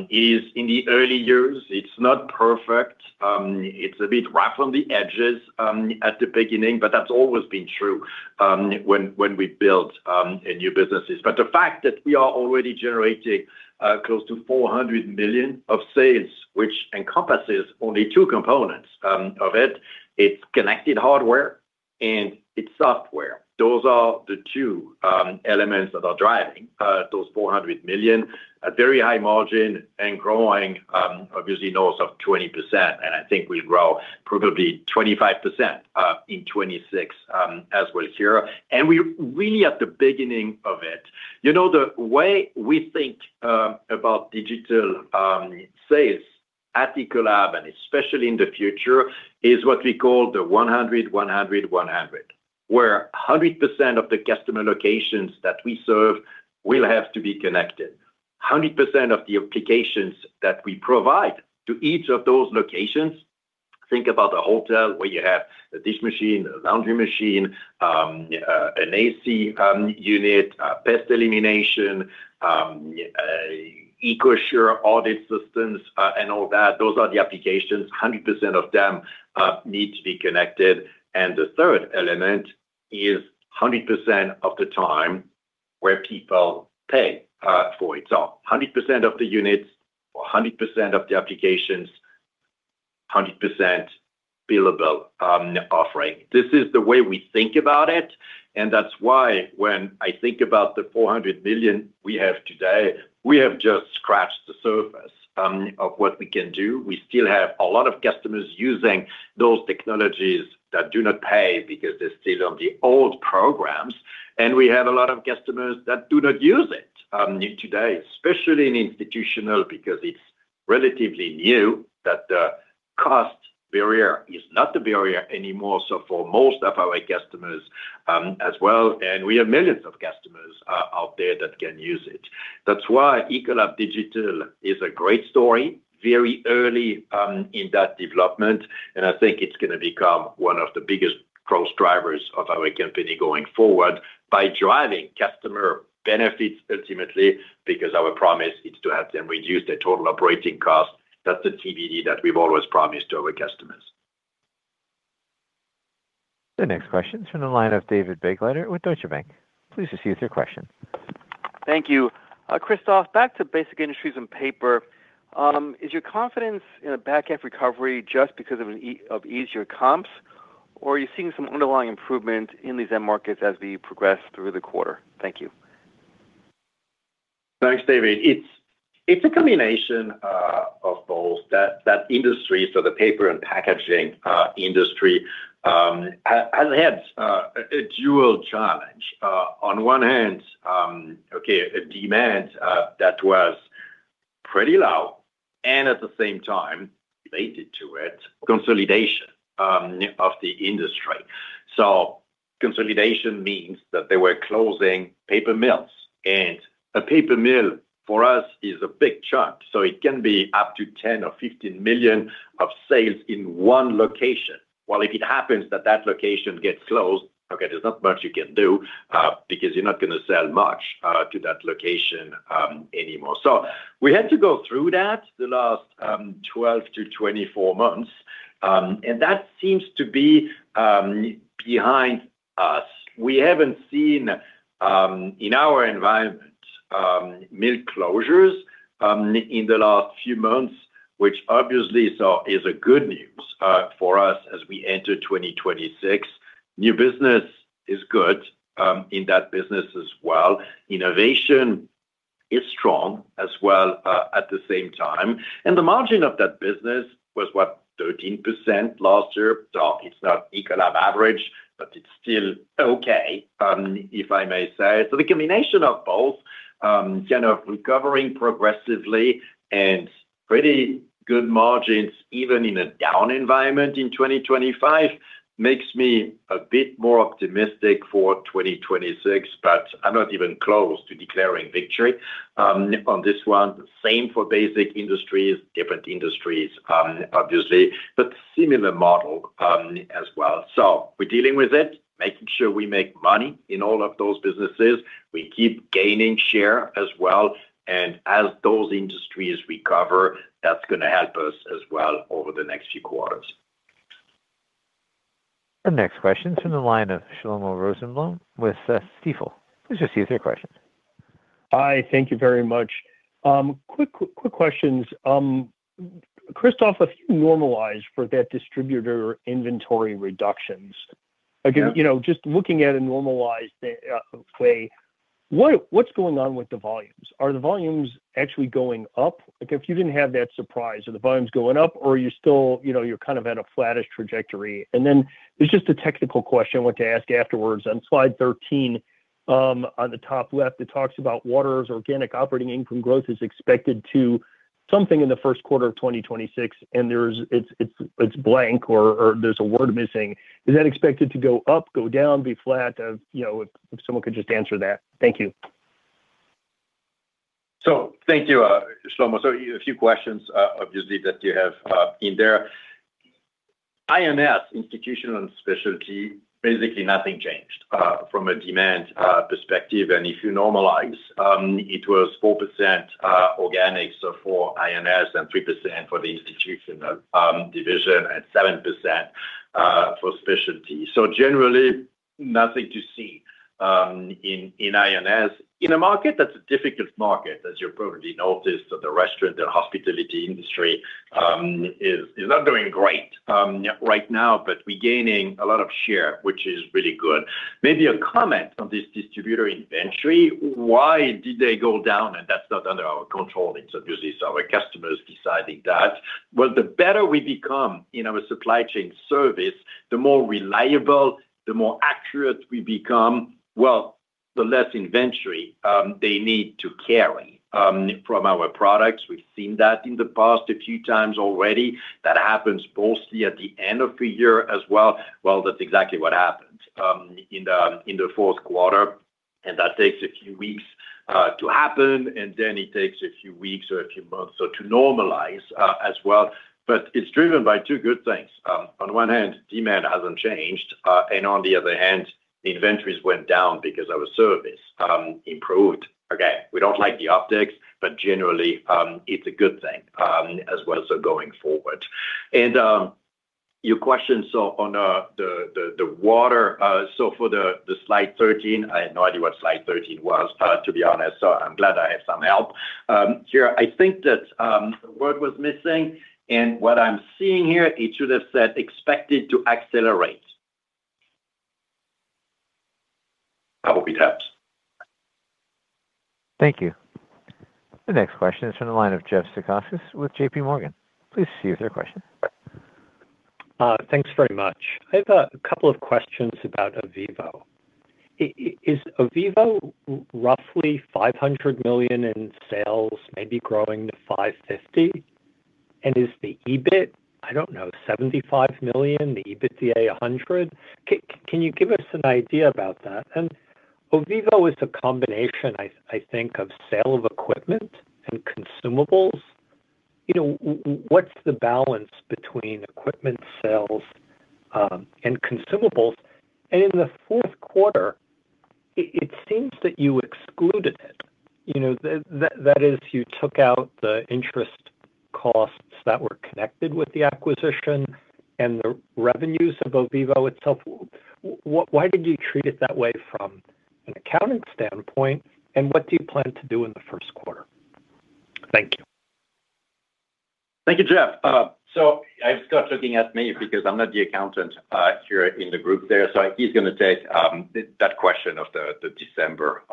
In the early years, it's not perfect. It's a bit rough on the edges at the beginning. But that's always been true when we build new businesses. But the fact that we are already generating close to $400 million of sales, which encompasses only two components of it, it's connected hardware and it's software. Those are the two elements that are driving those $400 million, a very high margin and growing, obviously, north of 20%. And I think we'll grow probably 25% in 2026 as well here. And we're really at the beginning of it. The way we think about digital sales at Ecolab, and especially in the future, is what we call the 100, 100, 100, where 100% of the customer locations that we serve will have to be connected. 100% of the applications that we provide to each of those locations, think about a hotel where you have a dish machine, a laundry machine, an AC unit, Pest Elimination, EcoSure audit systems, and all that. Those are the applications. 100% of them need to be connected. The third element is 100% of the time where people pay for it. 100% of the units, 100% of the applications, 100% billable offering. This is the way we think about it. That's why when I think about the $400 million we have today, we have just scratched the surface of what we can do. We still have a lot of customers using those technologies that do not pay because they're still on the old programs. We have a lot of customers that do not use it today, especially in Institutional because it's relatively new that the cost barrier is not the barrier anymore. For most of our customers as well. We have millions of customers out there that can use it. That's why Ecolab Digital is a great story, very early in that development. I think it's going to become one of the biggest growth drivers of our company going forward by driving customer benefits ultimately because our promise is to have them reduce their total operating cost. That's the TVD that we've always promised to our customers. The next question is from the line of David Begleiter with Deutsche Bank. Please receive your question. Thank you. Christophe, Basic Industries and paper. is your confidence in a back-end recovery just because of easier comps? Or are you seeing some underlying improvement in these end markets as we progress through the quarter? Thank you. Thanks, David. It's a combination of both. That industry, so the paper and packaging industry, has had a dual challenge. On one hand, okay, a demand that was pretty low. And at the same time, related to it, consolidation of the industry. So consolidation means that they were closing paper mills. And a paper mill for us is a big chunk. So it can be up to $10 million or $15 million of sales in one location. Well, if it happens that that location gets closed, okay, there's not much you can do because you're not going to sell much to that location anymore. So we had to go through that the last 12-24 months. And that seems to be behind us. We haven't seen in our environment mill closures in the last few months, which obviously is a good news for us as we enter 2026. New business is good in that business as well. Innovation is strong as well at the same time. The margin of that business was, what, 13% last year? It's not Ecolab average, but it's still okay, if I may say. The combination of both, kind of recovering progressively and pretty good margins even in a down environment in 2025 makes me a bit more optimistic for 2026. I'm not even close to declaring victory on this one. Same Basic Industries, different industries, obviously, but similar model as well. We're dealing with it, making sure we make money in all of those businesses. We keep gaining share as well. As those industries recover, that's going to help us as well over the next few quarters. The next question is from the line of Shlomo Rosenbaum with Stifel. Please receive your question. Hi. Thank you very much. Quick questions. Christophe, if you normalize for that distributor inventory reductions, again, just looking at a normalized way, what's going on with the volumes? Are the volumes actually going up? If you didn't have that surprise, are the volumes going up, or are you still you're kind of at a flattest trajectory? And then there's just a technical question I want to ask afterwards. On slide 13 on the top left, it talks about water's organic operating income growth is expected to something in the first quarter of 2026. And it's blank or there's a word missing. Is that expected to go up, go down, be flat? If someone could just answer that. Thank you. Thank you, Shlomo. A few questions, obviously, that you have in there. I&S, Institutional & Specialty, basically nothing changed from a demand perspective. And if you normalize, it was 4% organics for I&S and 3% for the Institutional division and 7% for Specialty. Generally, nothing to see in I&S. In a market that's a difficult market, as you've probably noticed, the restaurant and hospitality industry is not doing great right now. But we're gaining a lot of share, which is really good. Maybe a comment on this distributor inventory. Why did they go down? And that's not under our control. It's obviously our customers deciding that. Well, the better we become in our supply chain service, the more reliable, the more accurate we become, well, the less inventory they need to carry from our products. We've seen that in the past a few times already. That happens mostly at the end of the year as well. Well, that's exactly what happened in the fourth quarter. And that takes a few weeks to happen. And then it takes a few weeks or a few months to normalize as well. But it's driven by two good things. On one hand, demand hasn't changed. And on the other hand, the inventories went down because our service improved. Okay, we don't like the updates, but generally, it's a good thing as well going forward. And your question on the water, so for the slide 13, I had no idea what slide 13 was, to be honest. So I'm glad I have some help here. I think that the word was missing. And what I'm seeing here, it should have said expected to accelerate. Probably perhaps. Thank you. The next question is from the line of Jeff Zekauskas with J.P. Morgan. Please receive your question. Thanks very much. I have a couple of questions about Ovivo. Is Ovivo roughly $500 million in sales, maybe growing to $550 million? And is the EBIT, I don't know, $75 million, the EBITDA $100 million? Can you give us an idea about that? And Ovivo is a combination, I think, of sale of equipment and consumables. What's the balance between equipment sales and consumables? And in the fourth quarter, it seems that you excluded it. That is, you took out the interest costs that were connected with the acquisition and the revenues of Ovivo itself. Why did you treat it that way from an accounting standpoint? And what do you plan to do in the first quarter? Thank you. Thank you, Jeff. So stop looking at me because I'm not the accountant here in the group there. So he's going to take that question of the December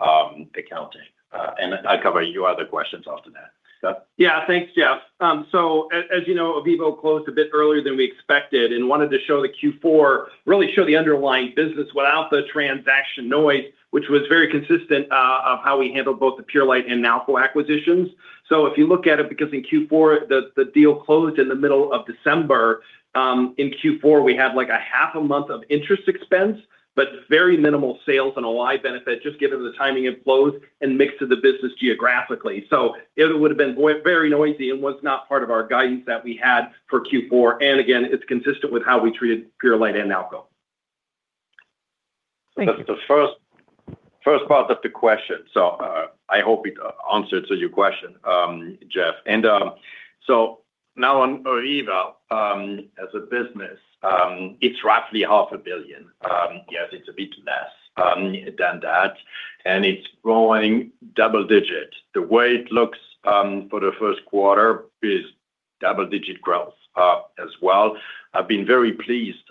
accounting. And I'll cover your other questions after that. Yeah. Thanks, Jeff. So as you know, Ovivo closed a bit earlier than we expected and wanted to show the Q4, really show the underlying business without the transaction noise, which was very consistent with how we handled both the Purolite and Nalco acquisitions. So if you look at it, because in Q4, the deal closed in the middle of December. In Q4, we had like a half a month of interest expense, but very minimal sales and a little benefit just given the timing of close and mix of the business geographically. So it would have been very noisy and was not part of our guidance that we had for Q4. And again, it's consistent with how we treated Purolite and Nalco. Thank you. That's the first part of the question. So I hope it answered your question, Jeff. And so now on Ovivo as a business, it's roughly $500 million. Yes, it's a bit less than that. And it's growing double-digit. The way it looks for the first quarter is double-digit growth as well. I've been very pleased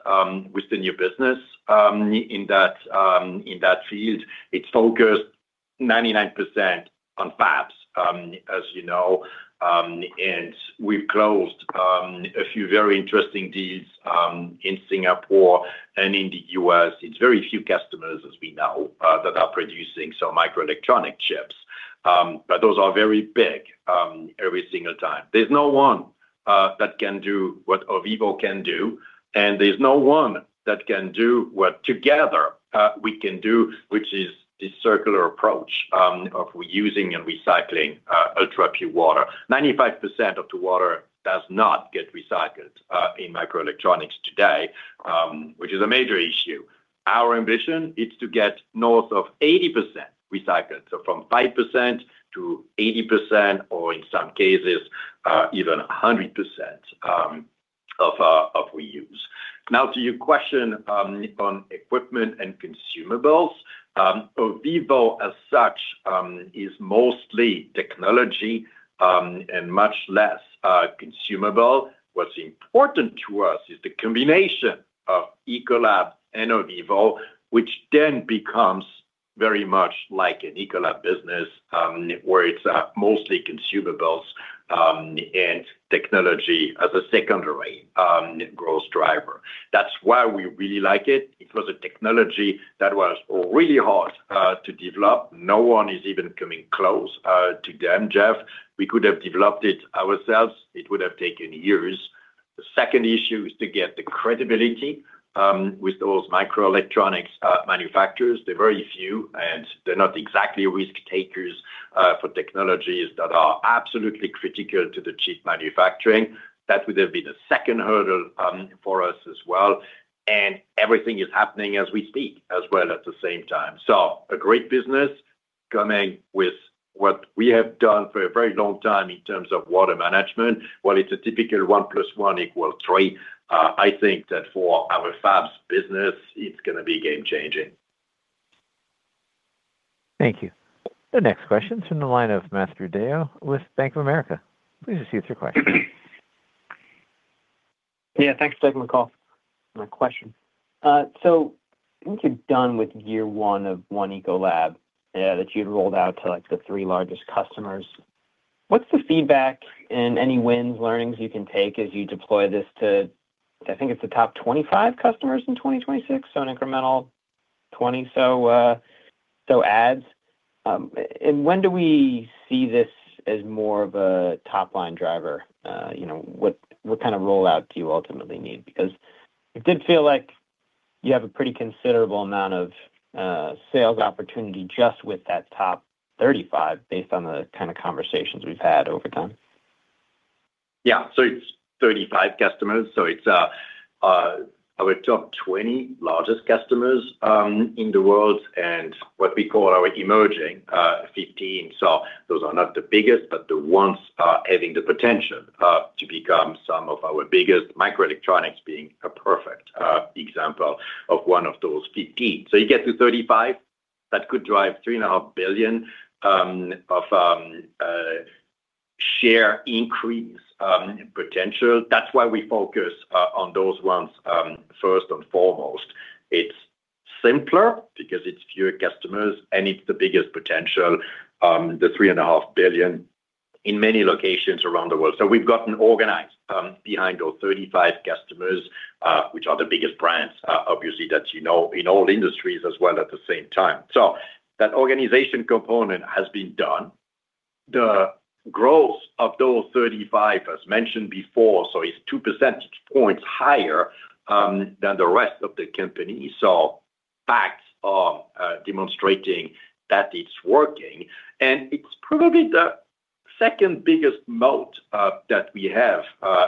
with the new business in that field. It's focused 99% on fabs, as you know. And we've closed a few very interesting deals in Singapore and in the U.S. It's very few customers, as we know, that are producing some microelectronic chips. But those are very big every single time. There's no one that can do what Ovivo can do. And there's no one that can do what together we can do, which is this circular approach of using and recycling ultra-pure water. 95% of the water does not get recycled in microelectronics today, which is a major issue. Our ambition, it's to get north of 80% recycled, so from 5% to 80% or in some cases, even 100% of reuse. Now to your question on equipment and consumables, Ovivo as such is mostly technology and much less consumable. What's important to us is the combination of Ecolab and Ovivo, which then becomes very much like an Ecolab business where it's mostly consumables and technology as a secondary growth driver. That's why we really like it. It was a technology that was really hard to develop. No one is even coming close to them, Jeff. We could have developed it ourselves. It would have taken years. The second issue is to get the credibility with those microelectronics manufacturers. They're very few. They're not exactly risk-takers for technologies that are absolutely critical to the chip manufacturing. That would have been a second hurdle for us as well. Everything is happening as we speak as well at the same time. A great business coming with what we have done for a very long time in terms of water management. Well, it's a typical 1 + 1 equals three. I think that for our fabs business, it's going to be game-changing. Thank you. The next question is from the line of Matthew DeYoe with Bank of America. Please proceed with your question. Yeah. Thanks for taking the call. My question. So I think you're done with year one of One Ecolab that you'd rolled out to the three largest customers. What's the feedback and any wins, learnings you can take as you deploy this to I think it's the top 25 customers in 2026, so an incremental 20 or so adds. And when do we see this as more of a top-line driver? What kind of rollout do you ultimately need? Because it did feel like you have a pretty considerable amount of sales opportunity just with that top 35 based on the kind of conversations we've had over time. Yeah. So it's 35 customers. So it's our top 20 largest customers in the world and what we call our emerging 15. So those are not the biggest, but the ones having the potential to become some of our biggest, microelectronics being a perfect example of one of those 15. So you get to 35. That could drive $3.5 billion of share increase potential. That's why we focus on those ones first and foremost. It's simpler because it's fewer customers, and it's the biggest potential, the $3.5 billion, in many locations around the world. So we've gotten organized behind those 35 customers, which are the biggest brands, obviously, that you know in all industries as well at the same time. So that organization component has been done. The growth of those 35, as mentioned before, so is two percentage points higher than the rest of the company. Facts are demonstrating that it's working. It's probably the second biggest moat that we have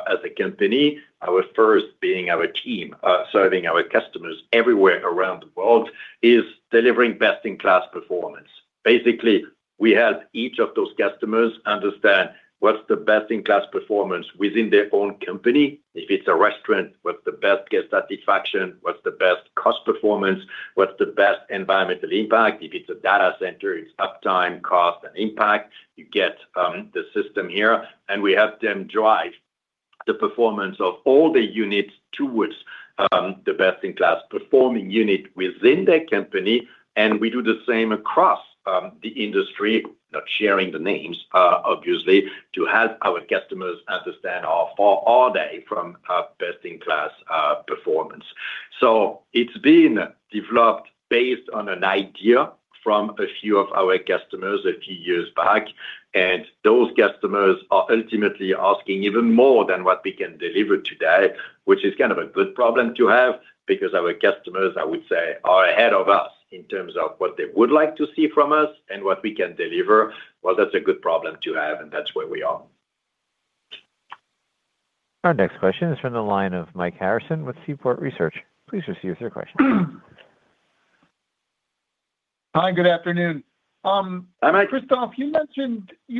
as a company, our first being our team serving our customers everywhere around the world, is delivering best-in-class performance. Basically, we help each of those customers understand what's the best-in-class performance within their own company. If it's a restaurant, what's the best guest satisfaction, what's the best cost performance, what's the best environmental impact. If it's a data center, it's uptime, cost, and impact. You get the system here. We help them drive the performance of all their units towards the best-in-class performing unit within their company. We do the same across the industry, not sharing the names, obviously, to help our customers understand all day from best-in-class performance. So it's been developed based on an idea from a few of our customers a few years back. And those customers are ultimately asking even more than what we can deliver today, which is kind of a good problem to have because our customers, I would say, are ahead of us in terms of what they would like to see from us and what we can deliver. Well, that's a good problem to have. And that's where we are. Our next question is from the line of Mike Harrison with Seaport Research Partners. Please receive your question. Hi. Good afternoon. Christophe, you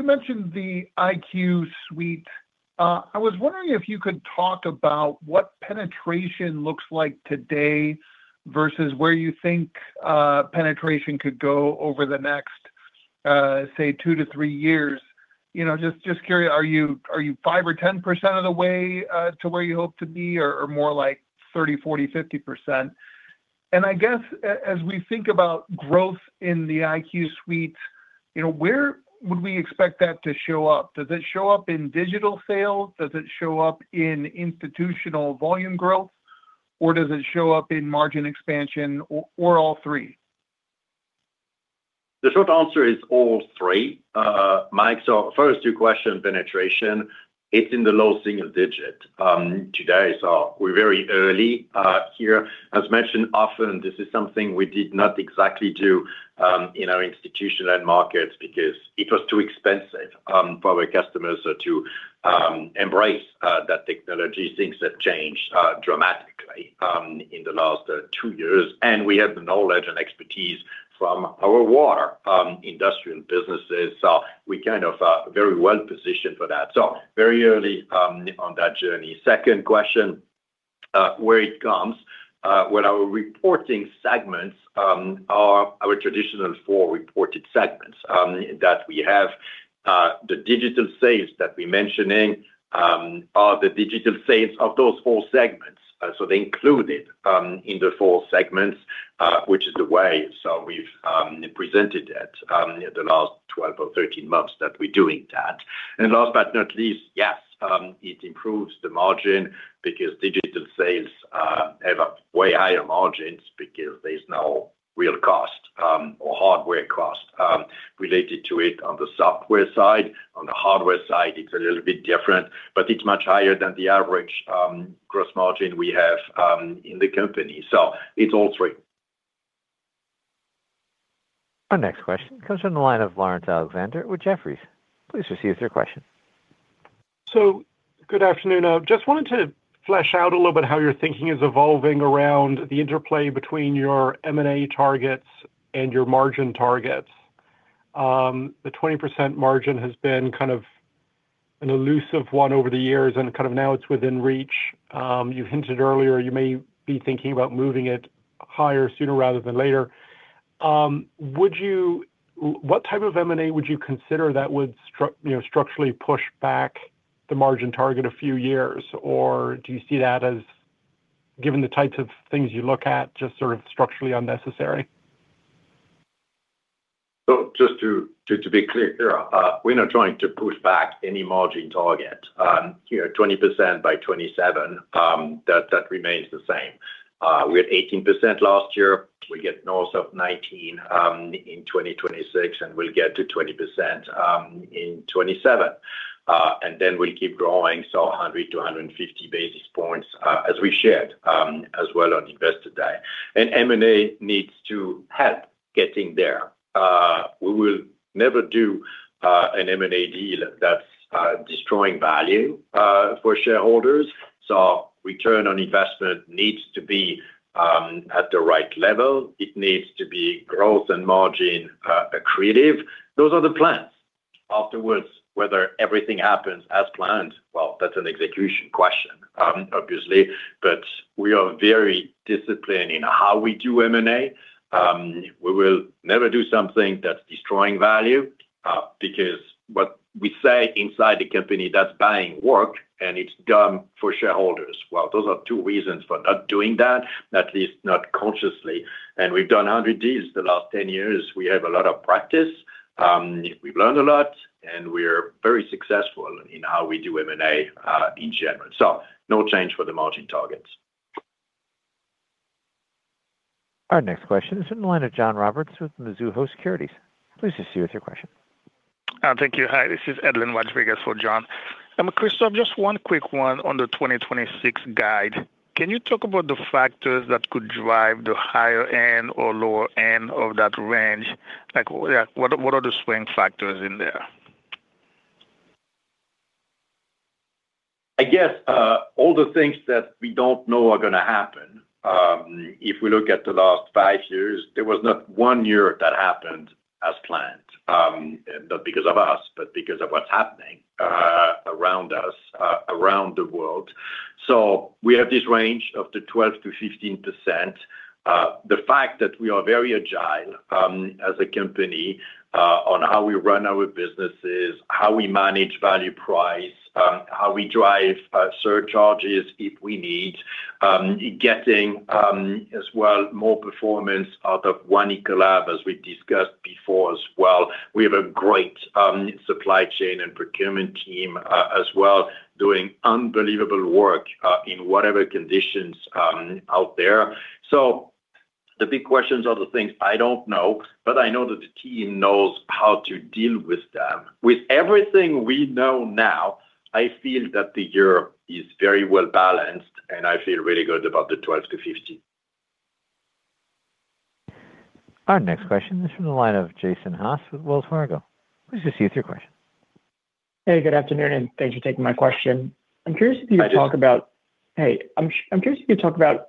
mentioned the iQ suite. I was wondering if you could talk about what penetration looks like today versus where you think penetration could go over the next, say, 2-3 years. Just curious, are you 5% or 10% of the way to where you hope to be or more like 30%, 40%, 50%? And I guess as we think about growth in the iQ suite, where would we expect that to show up? Does it show up in digital sales? Does it show up in Institutional volume growth? Or does it show up in margin expansion or all three? The short answer is all three, Mike. So first, your question, penetration, it's in the low single digit today. So we're very early here. As mentioned often, this is something we did not exactly do in our Institutional markets because it was too expensive for our customers to embrace that technology. Things have changed dramatically in the last two years. And we have the knowledge and expertise from our water industrial businesses. So we're kind of very well positioned for that. So very early on that journey. Second question, where it comes, well, our reporting segments are our traditional four reported segments that we have. The digital sales that we're mentioning are the digital sales of those four segments. So they're included in the four segments, which is the way we've presented it the last 12 or 13 months that we're doing that. Last but not least, yes, it improves the margin because digital sales have way higher margins because there's no real cost or hardware cost related to it on the software side. On the hardware side, it's a little bit different, but it's much higher than the average gross margin we have in the company. It's all three. Our next question comes from the line of Laurence Alexander with Jefferies. Please receive your question. So good afternoon. I just wanted to flesh out a little bit how your thinking is evolving around the interplay between your M&A targets and your margin targets. The 20% margin has been kind of an elusive one over the years, and kind of now it's within reach. You hinted earlier. You may be thinking about moving it higher sooner rather than later. What type of M&A would you consider that would structurally push back the margin target a few years? Or do you see that as, given the types of things you look at, just sort of structurally unnecessary? So just to be clear here, we're not trying to push back any margin target. 20% by 2027, that remains the same. We had 18% last year. We'll get north of 19% in 2026, and we'll get to 20% in 2027. And then we'll keep growing, so 100-150 basis points as we shared as well on investor day. And M&A needs to help getting there. We will never do an M&A deal that's destroying value for shareholders. So return on investment needs to be at the right level. It needs to be growth and margin accretive. Those are the plans. Afterwards, whether everything happens as planned, well, that's an execution question, obviously. But we are very disciplined in how we do M&A. We will never do something that's destroying value because what we say inside the company, that's buying work, and it's dumb for shareholders. Well, those are two reasons for not doing that, at least not consciously. We've done 100 deals the last 10 years. We have a lot of practice. We've learned a lot, and we are very successful in how we do M&A in general. No change for the margin targets. Our next question is from the line of John Roberts with Mizuho Securities. Please receive your question. Thank you. Hi. This is Edlain Rodriguez for John. Christophe, just one quick one on the 2026 guide. Can you talk about the factors that could drive the higher end or lower end of that range? What are the swing factors in there? I guess all the things that we don't know are going to happen. If we look at the last five years, there was not one year that happened as planned, not because of us, but because of what's happening around us, around the world. So we have this range of the 12%-15%. The fact that we are very agile as a company on how we run our businesses, how we manage value price, how we drive surcharges if we need, getting as well more performance out of One Ecolab, as we discussed before as well. We have a great supply chain and procurement team as well doing unbelievable work in whatever conditions out there. So the big questions are the things I don't know, but I know that the team knows how to deal with them. With everything we know now, I feel that the year is very well balanced, and I feel really good about the 12-15. Our next question is from the line of Jason Haas with Wells Fargo. Please receive your question. Hey, good afternoon, and thanks for taking my question. I'm curious if you could talk about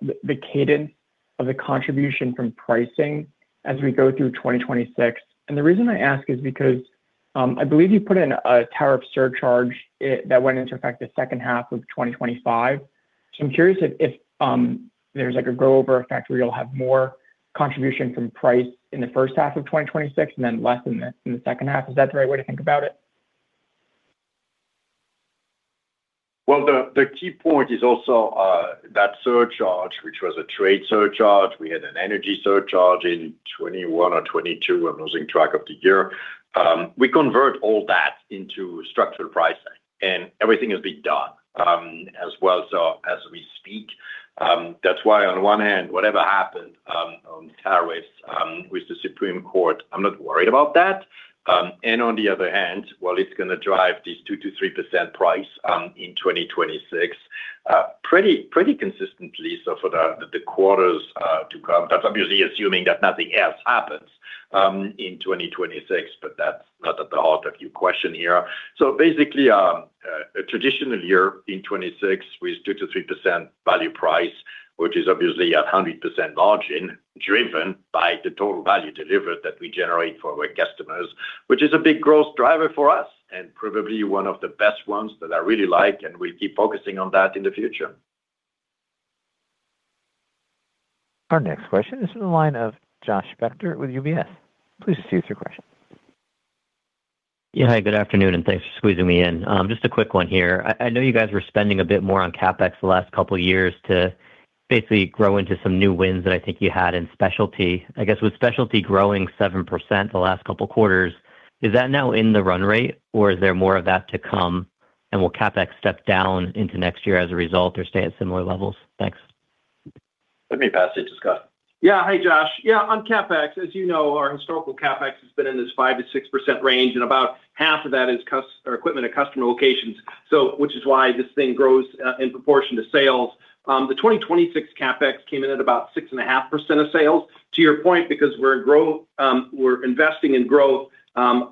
the cadence of the contribution from pricing as we go through 2026. The reason I ask is because I believe you put in a tower of surcharge that went into effect the second half of 2025. I'm curious if there's a go-over effect where you'll have more contribution from price in the first half of 2026 and then less in the second half. Is that the right way to think about it? Well, the key point is also that surcharge, which was a trade surcharge. We had an energy surcharge in 2021 or 2022. I'm losing track of the year. We convert all that into structural pricing, and everything has been done as well as we speak. That's why, on one hand, whatever happened on tariffs with the Supreme Court, I'm not worried about that. And on the other hand, well, it's going to drive these 2%-3% price in 2026 pretty consistently. So for the quarters to come, that's obviously assuming that nothing else happens in 2026, but that's not at the heart of your question here. So basically, a traditional year in 2026 with 2%-3% value price, which is obviously at 100% margin driven by the Total Value Delivered that we generate for our customers, which is a big growth driver for us and probably one of the best ones that I really like. And we'll keep focusing on that in the future. Our next question is from the line of Josh Spector with UBS. Please receive your question. Yeah. Hi. Good afternoon, and thanks for squeezing me in. Just a quick one here. I know you guys were spending a bit more on CapEx the last couple of years to basically grow into some new wins that I think you had in Specialty. I guess with Specialty growing 7% the last couple of quarters, is that now in the run rate, or is there more of that to come, and will CapEx step down into next year as a result or stay at similar levels? Thanks. Let me pass it to Scott. Yeah. Hi, Josh. Yeah. On CapEx, as you know, our historical CapEx has been in this 5%-6% range, and about half of that is equipment at customer locations, which is why this thing grows in proportion to sales. The 2026 CapEx came in at about 6.5% of sales, to your point, because we're investing in growth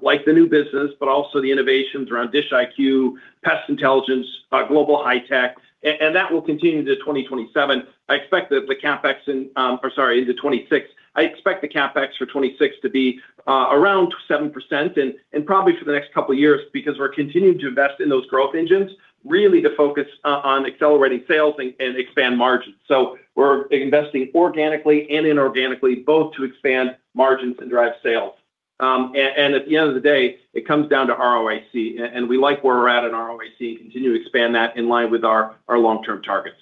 like the new business, but also the innovations around Dish iQ, Pest Intelligence, Global High Tech, and that will continue into 2027. I expect that the CapEx in or sorry, into 2026. I expect the CapEx for 2026 to be around 7% and probably for the next couple of years because we're continuing to invest in those growth engines, really to focus on accelerating sales and expand margins. So we're investing organically and inorganically, both to expand margins and drive sales. At the end of the day, it comes down to ROIC, and we like where we're at in ROIC and continue to expand that in line with our long-term targets.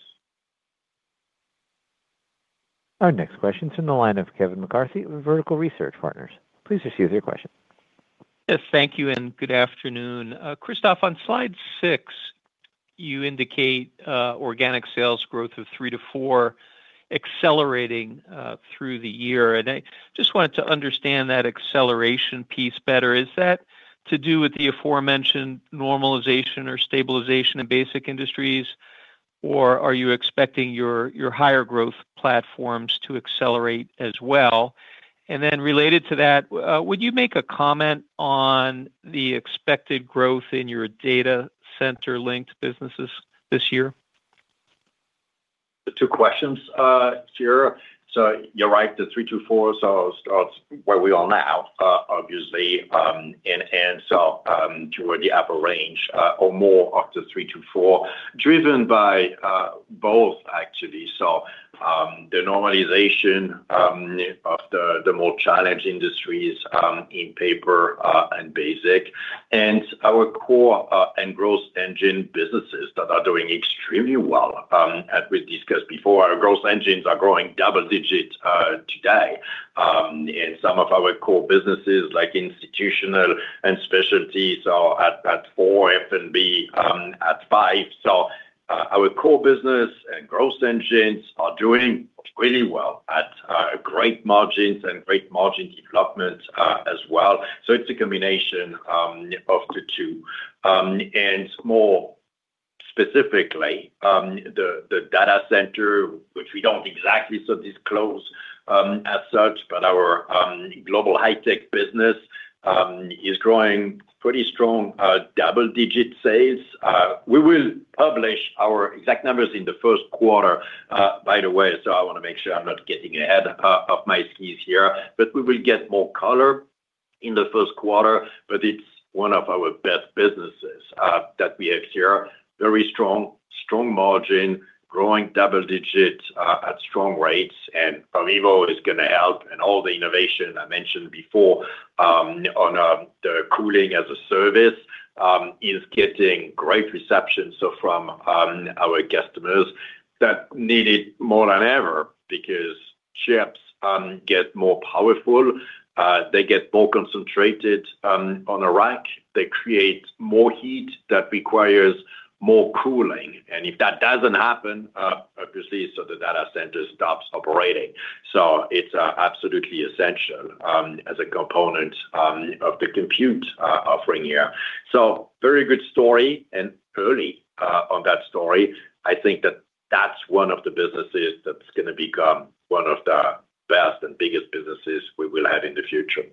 Our next question is from the line of Kevin McCarthy with Vertical Research Partners. Please receive your question. Yes. Thank you, and good afternoon. Christophe, on slide 6, you indicate organic sales growth of 3-4 accelerating through the year. I just wanted to understand that acceleration piece better. Is that to do with the aforementioned normalization or stabilization Basic Industries, or are you expecting your higher growth platforms to accelerate as well? And then related to that, would you make a comment on the expected growth in your data center-linked businesses this year? The two questions here. So you're right. The 3-4, so it's where we are now, obviously, and so toward the upper range or more of the 3-4, driven by both, actually. So the normalization of the more challenged industries in paper and basic and our core and growth engine businesses that are doing extremely well. As we discussed before, our growth engines are growing double-digit today. And some of our core businesses, like Institutional and Specialties, are at four, F&B at five. So our core business and growth engines are doing really well at great margins and great margin development as well. So it's a combination of the two. And more specifically, the data center, which we don't exactly so disclose as such, but our Global High Tech business is growing pretty strong double-digit sales. We will publish our exact numbers in the first quarter, by the way. So I want to make sure I'm not getting ahead of my skis here. But we will get more color in the first quarter. But it's one of our best businesses that we have here, very strong, strong margin, growing double-digit at strong rates. And Ovivo is going to help. And all the innovation I mentioned before on the cooling as a service is getting great reception, so from our customers that need it more than ever because chips get more powerful. They get more concentrated on a rack. They create more heat that requires more cooling. And if that doesn't happen, obviously, so the data center stops operating. So it's absolutely essential as a component of the compute offering here. Very good story, and early on that story, I think that's one of the businesses that's going to become one of the best and biggest businesses we will have in the future.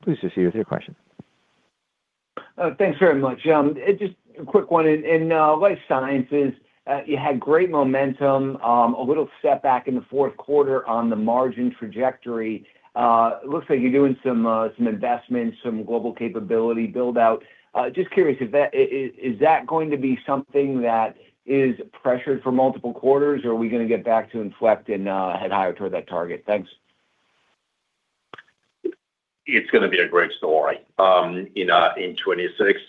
The next question is from the line of Scott Schneeberger with Oppenheimer. Please receive your question. Thanks very much. Life Sciences, you had great momentum, a little step back in the fourth quarter on the margin trajectory. Looks like you're doing some investment, some global capability buildout. Just curious, is that going to be something that is pressured for multiple quarters, or are we going to get back to inflect and head higher toward that target? Thanks. It's going to be a great story in 2026.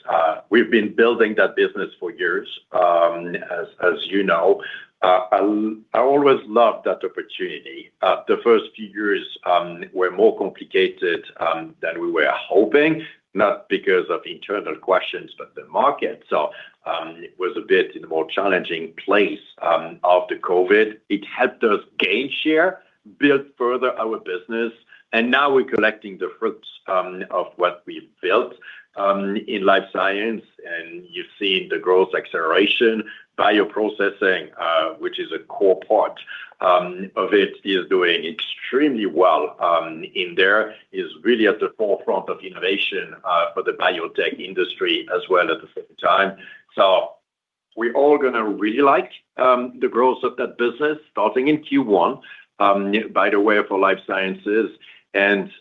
We've been building that business for years, as you know. I always loved that opportunity. The first few years were more complicated than we were hoping, not because of internal questions, but the market. So it was a bit in a more challenging place after COVID. It helped us gain share, build further our business. And now we're collecting the fruits Life Sciences. and you've seen the growth acceleration. Bioprocessing, which is a core part of it, is doing extremely well in there, is really at the forefront of innovation for the biotech industry as well at the same time. So we're all going to really like the growth of that business starting in Q1, by the way, for Life Sciences.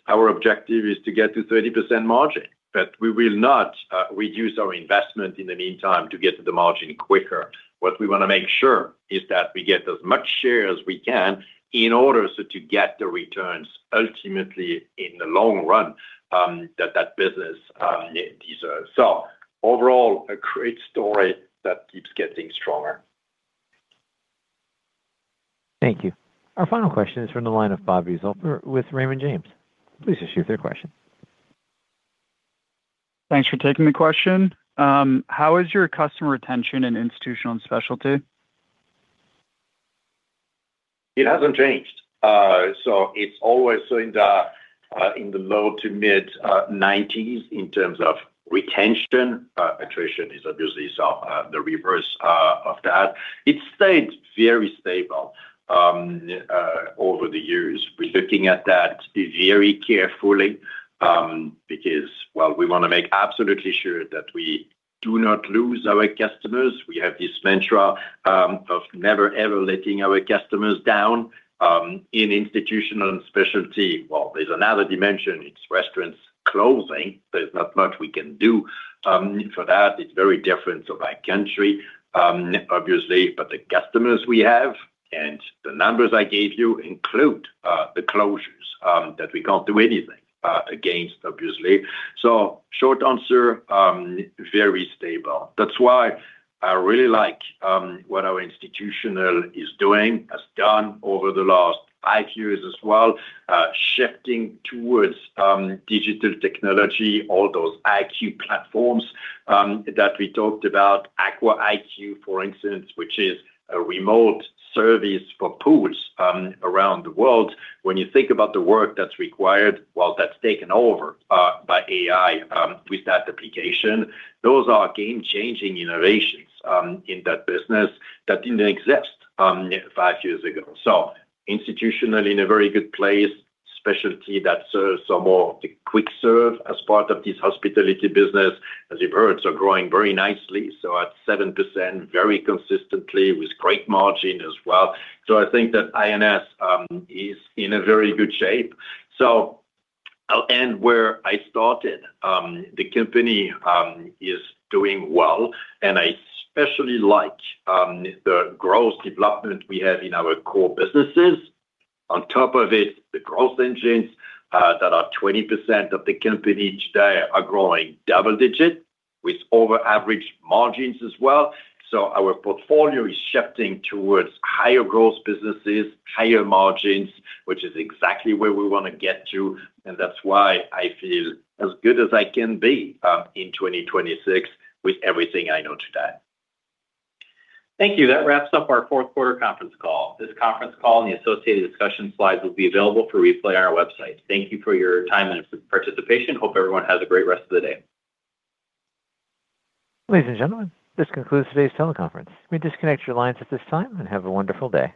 Our objective is to get to 30% margin, but we will not reduce our investment in the meantime to get to the margin quicker. What we want to make sure is that we get as much share as we can in order to get the returns ultimately in the long run that that business deserves. Overall, a great story that keeps getting stronger. Thank you. Our final question is from the line of Bobby Zolfer with Raymond James. Please proceed with your question. Thanks for taking the question. How is your customer retention in Institutional and Specialty? It hasn't changed. So it's always in the low to mid-90s in terms of retention. Attrition is obviously the reverse of that. It stayed very stable over the years. We're looking at that very carefully because, well, we want to make absolutely sure that we do not lose our customers. We have this mantra of never, ever letting our customers down in Institutional and Specialty. Well, there's another dimension. It's restaurants closing. There's not much we can do for that. It's very different by country, obviously. But the customers we have and the numbers I gave you include the closures that we can't do anything against, obviously. So short answer, very stable. That's why I really like what our Institutional is doing, has done over the last five years as well, shifting towards digital technology, all those IQ platforms that we talked about, Aqua iQ, for instance, which is a remote service for pools around the world. When you think about the work that's required, well, that's taken over by AI with that application. Those are game-changing innovations in that business that didn't exist five years ago. So Institutionally in a very good place, Specialty that serves some more of the quick serve as part of this hospitality business, as you've heard, so growing very nicely. So at 7% very consistently with great margin as well. So I think that I&S is in a very good shape. So I'll end where I started. The company is doing well, and I especially like the growth development we have in our core businesses. On top of it, the growth engines that are 20% of the company today are growing double-digit with over-average margins as well. So our portfolio is shifting towards higher growth businesses, higher margins, which is exactly where we want to get to. And that's why I feel as good as I can be in 2026 with everything I know today. Thank you. That wraps up our fourth-quarter conference call. This conference call and the associated discussion slides will be available for replay on our website. Thank you for your time and participation. Hope everyone has a great rest of the day. Ladies and gentlemen, this concludes today's teleconference. You may disconnect your lines at this time and have a wonderful day.